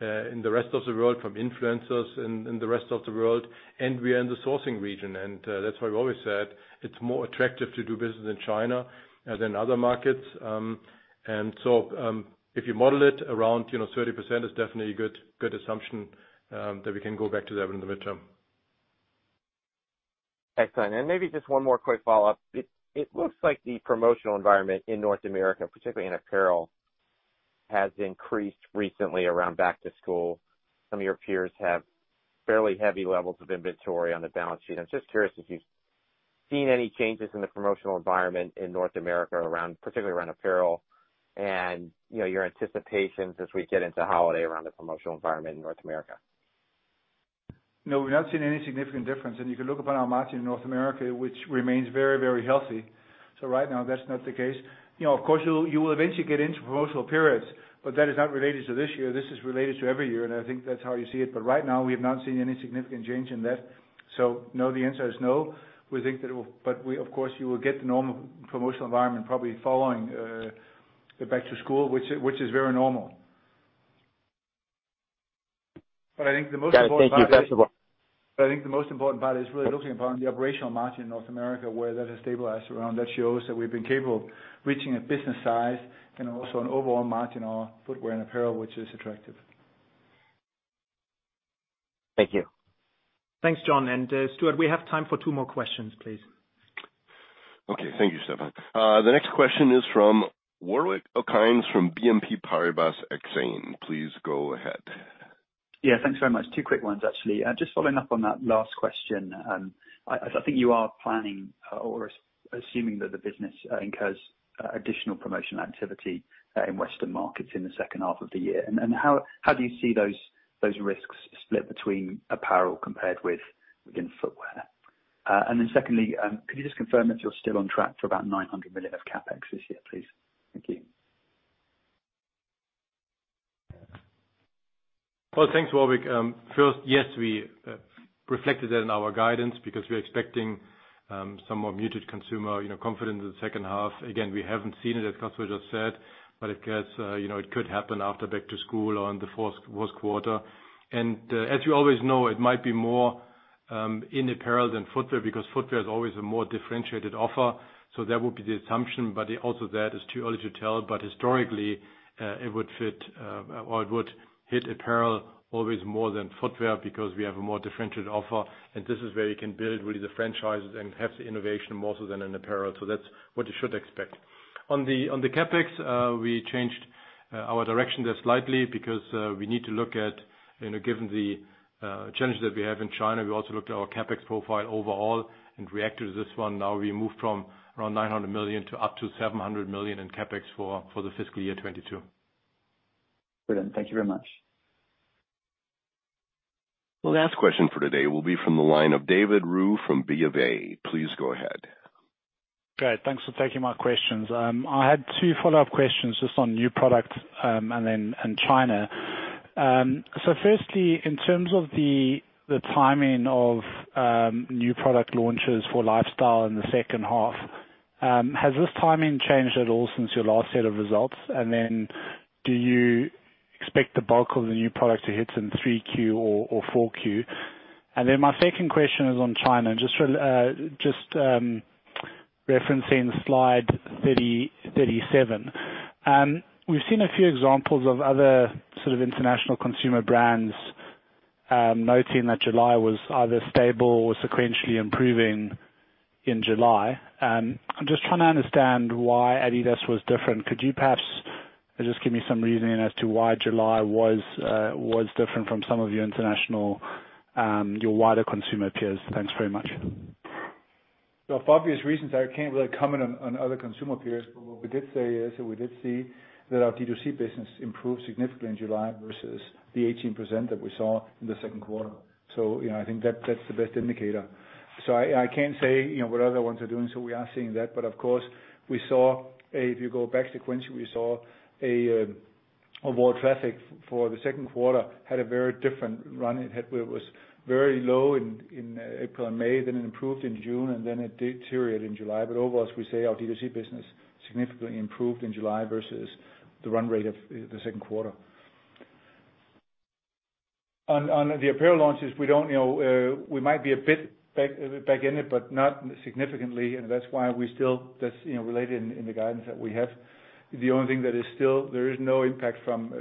in the rest of the world, from influencers in the rest of the world. We are in the sourcing region. That's why we always said it's more attractive to do business in China than other markets. If you model it around, you know, 30% is definitely a good assumption that we can go back to that in the midterm. Excellent. Maybe just one more quick follow-up. It looks like the promotional environment in North America, particularly in apparel, has increased recently around back to school. Some of your peers have fairly heavy levels of inventory on the balance sheet. I'm just curious if you've seen any changes in the promotional environment in North America around, particularly around apparel and, you know, your anticipations as we get into holiday around the promotional environment in North America? No, we've not seen any significant difference. You can look upon our margin in North America, which remains very, very healthy. Right now, that's not the case. You know, of course you will eventually get into promotional periods, but that is not related to this year. This is related to every year, and I think that's how you see it. Right now, we have not seen any significant change in that. No, the answer is no. We, of course, you will get the normal promotional environment probably following the back to school, which is very normal. I think the most important Got it. Thank you. First of all. I think the most important part is really looking upon the operating margin in North America, where that has stabilized around. That shows that we've been capable of reaching a business size and also an overall margin on footwear and apparel, which is attractive. Thank you. Thanks, John. Stuart, we have time for two more questions, please. Okay. Thank you, Stuart. The next question is from Warwick Okines from BNP Paribas Exane. Please go ahead. Yeah, thanks very much. Two quick ones, actually. Just following up on that last question. I think you are planning or assuming that the business incurs additional promotion activity in Western markets in the second half of the year. And how do you see those risks split between apparel compared with footwear? And then secondly, could you just confirm if you're still on track for about 900 million of CapEx this year, please? Thank you. Well, thanks, Warwick. First, yes, we reflected that in our guidance because we're expecting some more muted consumer, you know, confidence in the second half. Again, we haven't seen it, as Kasper just said, but I guess, you know, it could happen after back to school or in the fourth quarter. As you always know, it might be more in apparel than footwear because footwear is always a more differentiated offer. That would be the assumption. Also, that is too early to tell. Historically, it would fit or it would hit apparel always more than footwear because we have a more differentiated offer, and this is where you can build really the franchises and have the innovation more so than in apparel. That's what you should expect. On the CapEx, we changed our direction there slightly because we need to look at, you know, given the challenges that we have in China. We also looked at our CapEx profile overall and reacted to this one. Now we moved from around 900 million to up to 700 million in CapEx for the FY22. Brilliant. Thank you very much. The last question for today will be from the line of David Roux from BofA. Please go ahead. Great. Thanks for taking my questions. I had two follow-up questions just on new products and then in China. In terms of the timing of new product launches for lifestyle in the second half, has this timing changed at all since your last set of results? Do you expect the bulk of the new product to hit in 3Q or 4Q? My second question is on China, just for referencing Slide 37. We've seen a few examples of other sort of international consumer brands noting that July was either stable or sequentially improving in July. I'm just trying to understand why adidas was different. Could you perhaps just give me some reasoning as to why July was different from some of your international, your wider consumer peers? Thanks very much. For obvious reasons, I can't really comment on other consumer peers. What we did say is that we did see that our D2C business improved significantly in July versus the 18% that we saw in the second quarter. You know, I think that's the best indicator. I can't say, you know, what other ones are doing, so we are seeing that. Of course, if you go back sequentially, overall traffic for the second quarter had a very different run. It had where it was very low in April and May, then it improved in June, and then it deteriorated in July. Overall, as we say, our D2C business significantly improved in July versus the run rate of the second quarter. On the apparel launches, we don't, you know, we might be a bit back in it, but not significantly, and that's why that's, you know, related in the guidance that we have. The only thing that is still, there is no impact from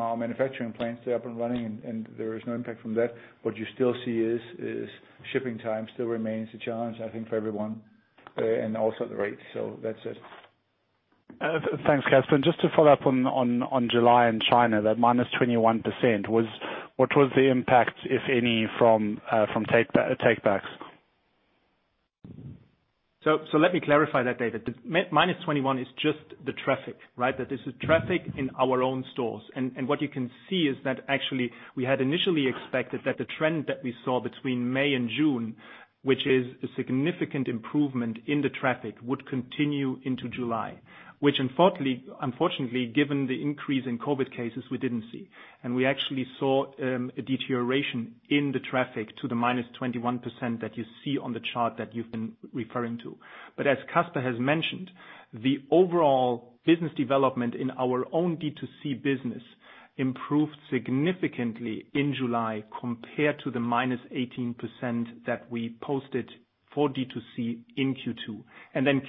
our manufacturing plants. They're up and running, and there is no impact from that. What you still see is shipping time still remains a challenge, I think for everyone, and also the rates. That's it. Thanks, Kasper. Just to follow up on July in China, that -21%, what was the impact, if any, from take backs? Let me clarify that, David. The minus 21 is just the traffic, right? This is traffic in our own stores. What you can see is that actually we had initially expected that the trend that we saw between May and June, which is a significant improvement in the traffic, would continue into July, which unfortunately, given the increase in COVID-19 cases, we didn't see. We actually saw a deterioration in the traffic to the minus 21% that you see on the chart that you've been referring to. As Kasper has mentioned, the overall business development in our own D2C business improved significantly in July compared to the minus 18% that we posted for D2C in Q2.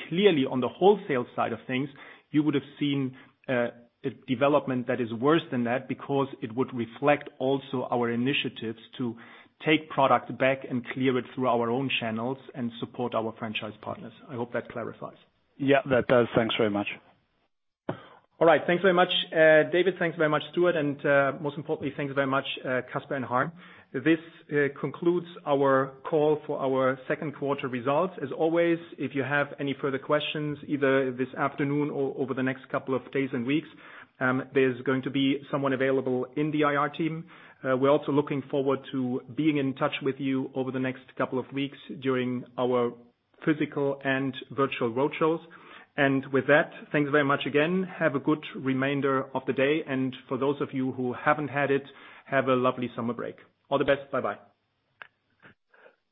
Clearly, on the wholesale side of things, you would have seen a development that is worse than that because it would reflect also our initiatives to take product back and clear it through our own channels and support our franchise partners. I hope that clarifies. Yeah, that does. Thanks very much. All right. Thanks very much, David. Thanks very much, Stuart. Most importantly, thanks very much, Kasper and Harm. This concludes our call for our second quarter results. As always, if you have any further questions, either this afternoon or over the next couple of days and weeks, there's going to be someone available in the IR team. We're also looking forward to being in touch with you over the next couple of weeks during our physical and virtual roadshows. With that, thanks very much again. Have a good remainder of the day. For those of you who haven't had it, have a lovely summer break. All the best. Bye-bye.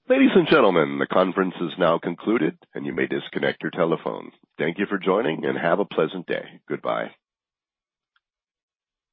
Ladies and gentlemen, the conference is now concluded, and you may disconnect your telephones. Thank you for joining, and have a pleasant day. Goodbye.